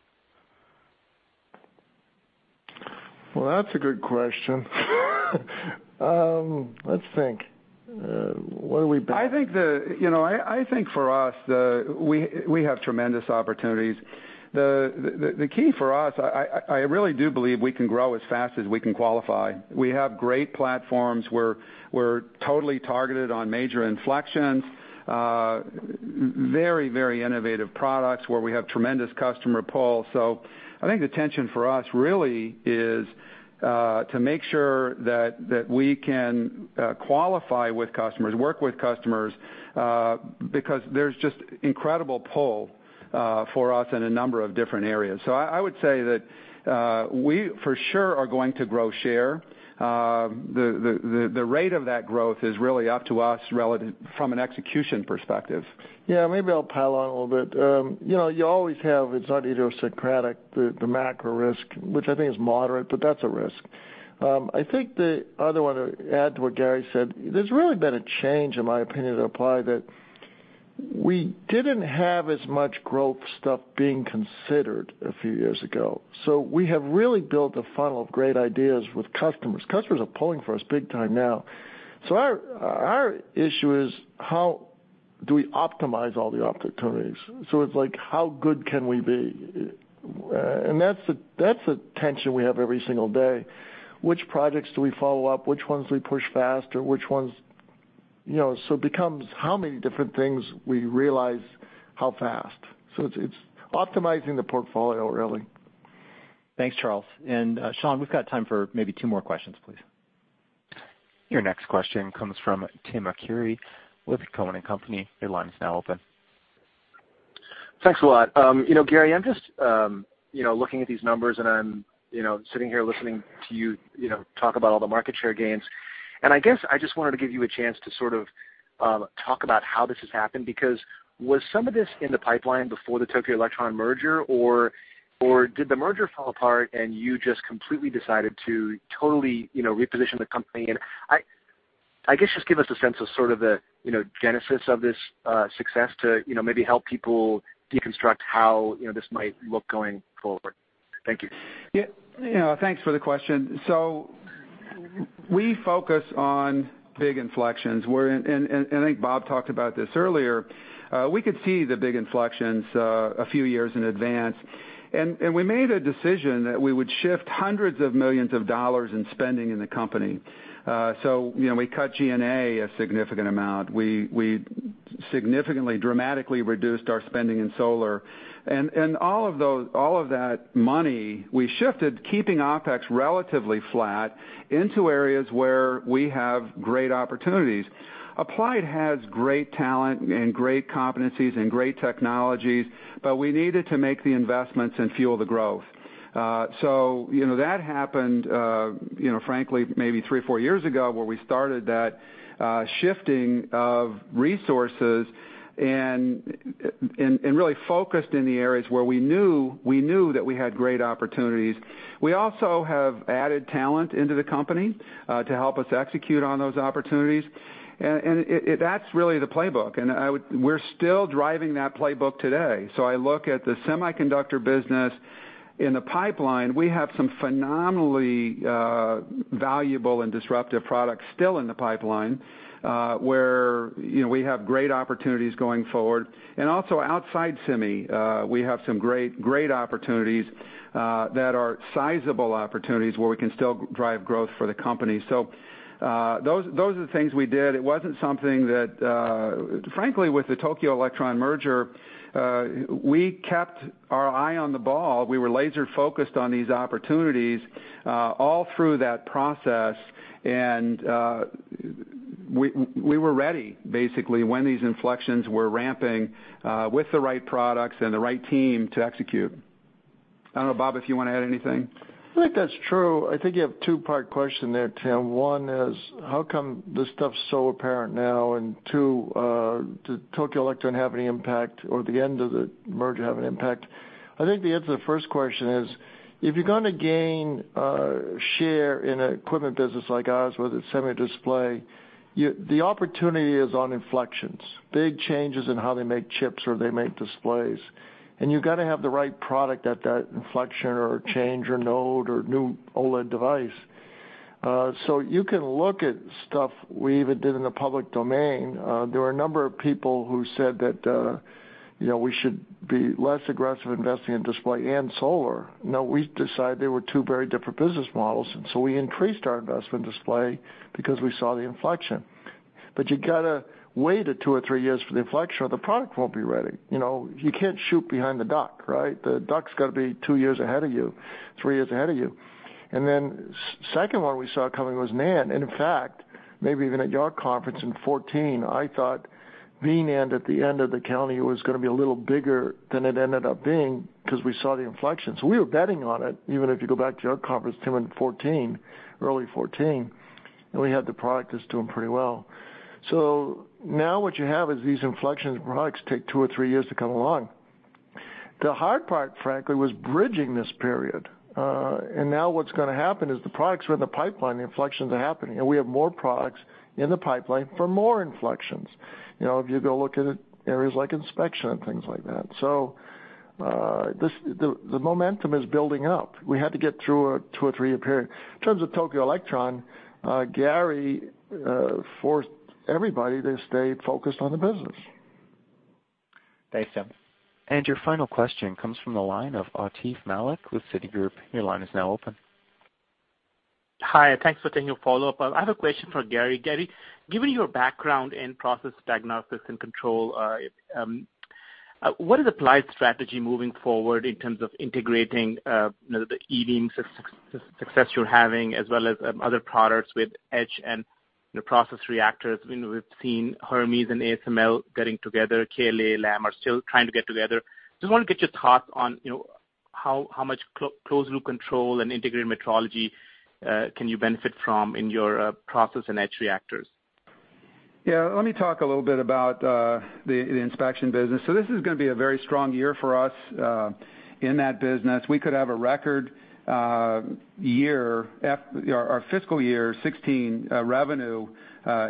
Well, that's a good question. Let's think. I think for us, we have tremendous opportunities. The key for us, I really do believe we can grow as fast as we can qualify. We have great platforms. We're totally targeted on major inflections, very innovative products where we have tremendous customer pull. I think the tension for us really is to make sure that we can qualify with customers, work with customers, because there's just incredible pull for us in a number of different areas. I would say that, we for sure are going to grow share. The rate of that growth is really up to us from an execution perspective. Yeah, maybe I'll pile on a little bit. You always have, it's not idiosyncratic, the macro risk, which I think is moderate, but that's a risk. I think the other one, to add to what Gary said, there's really been a change, in my opinion, at Applied that we didn't have as much growth stuff being considered a few years ago. We have really built a funnel of great ideas with customers. Customers are pulling for us big time now. Our issue is how do we optimize all the opportunities? It's like, how good can we be? And that's a tension we have every single day. Which projects do we follow up? Which ones do we push faster? It becomes how many different things we realize how fast. It's optimizing the portfolio, really. Thanks, Charles. Sean, we've got time for maybe two more questions, please. Your next question comes from Tim Arcuri with Cowen and Company. Your line is now open. Thanks a lot. Gary, I'm just looking at these numbers, I'm sitting here listening to you talk about all the market share gains, I guess I just wanted to give you a chance to sort of talk about how this has happened, because was some of this in the pipeline before the Tokyo Electron merger, or did the merger fall apart and you just completely decided to totally reposition the company? I guess, just give us a sense of sort of the genesis of this success to maybe help people deconstruct how this might look going forward. Thank you. Yeah. Thanks for the question. We focus on big inflections, I think Bob talked about this earlier. We could see the big inflections a few years in advance, we made a decision that we would shift hundreds of millions of dollars in spending in the company. We cut G&A a significant amount. We significantly, dramatically reduced our spending in solar. All of that money, we shifted, keeping OpEx relatively flat into areas where we have great opportunities. Applied has great talent and great competencies and great technologies, we needed to make the investments and fuel the growth. That happened, frankly, maybe three or four years ago, where we started that shifting of resources and really focused in the areas where we knew that we had great opportunities. We also have added talent into the company to help us execute on those opportunities. That's really the playbook, we're still driving that playbook today. I look at the semiconductor business. In the pipeline, we have some phenomenally valuable and disruptive products still in the pipeline, where we have great opportunities going forward. Also outside semi, we have some great opportunities that are sizable opportunities where we can still drive growth for the company. Those are the things we did. It wasn't something that, frankly, with the Tokyo Electron merger, we kept our eye on the ball. We were laser-focused on these opportunities, all through that process, we were ready, basically, when these inflections were ramping, with the right products and the right team to execute. I don't know, Bob, if you want to add anything. I think that's true. I think you have a two-part question there, Tim. One is, how come this stuff's so apparent now, and two, did Tokyo Electron have any impact or the end of the merger have an impact? I think the answer to the first question is, if you're going to gain share in an equipment business like ours, whether it's semi display, the opportunity is on inflections, big changes in how they make chips or they make displays. You've got to have the right product at that inflection or change or node or new OLED device. You can look at stuff we even did in the public domain. There were a number of people who said that we should be less aggressive investing in Display and solar. No, we decided they were two very different business models, so we increased our investment Display because we saw the inflection. You got to wait the two or three years for the inflection, or the product won't be ready. You can't shoot behind the duck, right? The duck's got to be two years ahead of you, three years ahead of you. Second one we saw coming was NAND. In fact, maybe even at your conference in 2014, I thought the NAND at the end of the cycle was going to be a little bigger than it ended up being because we saw the inflection. We were betting on it, even if you go back to your conference, Tim, in early 2014, and we had the product that's doing pretty well. Now what you have is these inflection products take two or three years to come along. The hard part, frankly, was bridging this period. Now what's going to happen is the products are in the pipeline, the inflections are happening, and we have more products in the pipeline for more inflections, if you go look at areas like inspection and things like that. The momentum is building up. We had to get through a two or three-year period. In terms of Tokyo Electron, Gary forced everybody to stay focused on the business. Thanks, Tim. Your final question comes from the line of Atif Malik with Citigroup. Your line is now open. Hi, thanks for taking a follow-up. I have a question for Gary. Gary, given your background in process diagnostics and control, what is Applied's strategy moving forward in terms of integrating the E-beam success you're having, as well as other products with etch and process reactors? We've seen Hermes and ASML getting together. KLA and Lam are still trying to get together. Just want to get your thoughts on how much closed-loop control and integrated metrology can you benefit from in your process and etch reactors? Yeah, let me talk a little bit about the inspection business. This is going to be a very strong year for us in that business. We could have a record year, our fiscal year 2016 revenue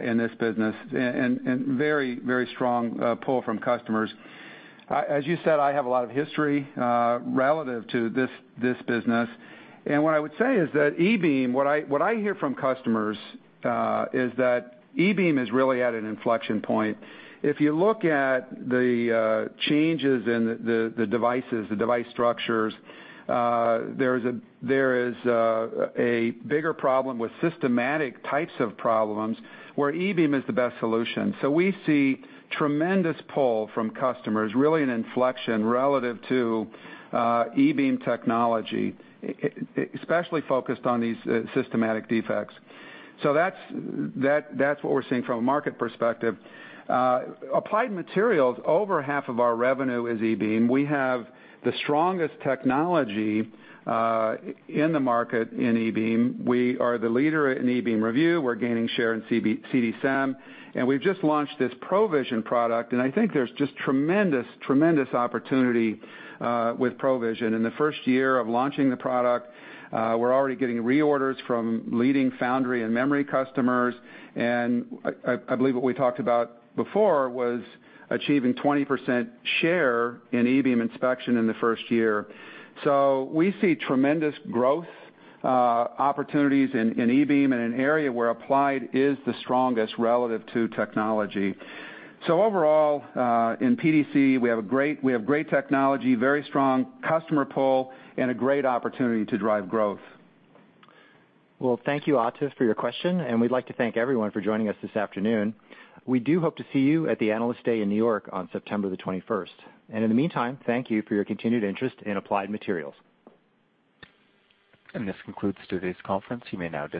in this business, and very, very strong pull from customers. As you said, I have a lot of history relative to this business. What I would say is that E-beam, what I hear from customers, is that E-beam is really at an inflection point. If you look at the changes in the devices, the device structures, there is a bigger problem with systematic types of problems where E-beam is the best solution. We see tremendous pull from customers, really an inflection relative to E-beam technology, especially focused on these systematic defects. That's what we're seeing from a market perspective. Applied Materials, over half of our revenue is E-beam. We have the strongest technology in the market in E-beam. We are the leader in E-beam review. We're gaining share in CD-SEM, and we've just launched this PROVision product, and I think there's just tremendous opportunity with PROVision. In the first year of launching the product, we're already getting reorders from leading foundry and memory customers, and I believe what we talked about before was achieving 20% share in E-beam inspection in the first year. We see tremendous growth opportunities in E-beam in an area where Applied is the strongest relative to technology. Overall, in PDC, we have great technology, very strong customer pull, and a great opportunity to drive growth. Well, thank you, Atif, for your question, and we'd like to thank everyone for joining us this afternoon. We do hope to see you at the Analyst Day in New York on September the 21st. In the meantime, thank you for your continued interest in Applied Materials. This concludes today's conference. You may now disconnect.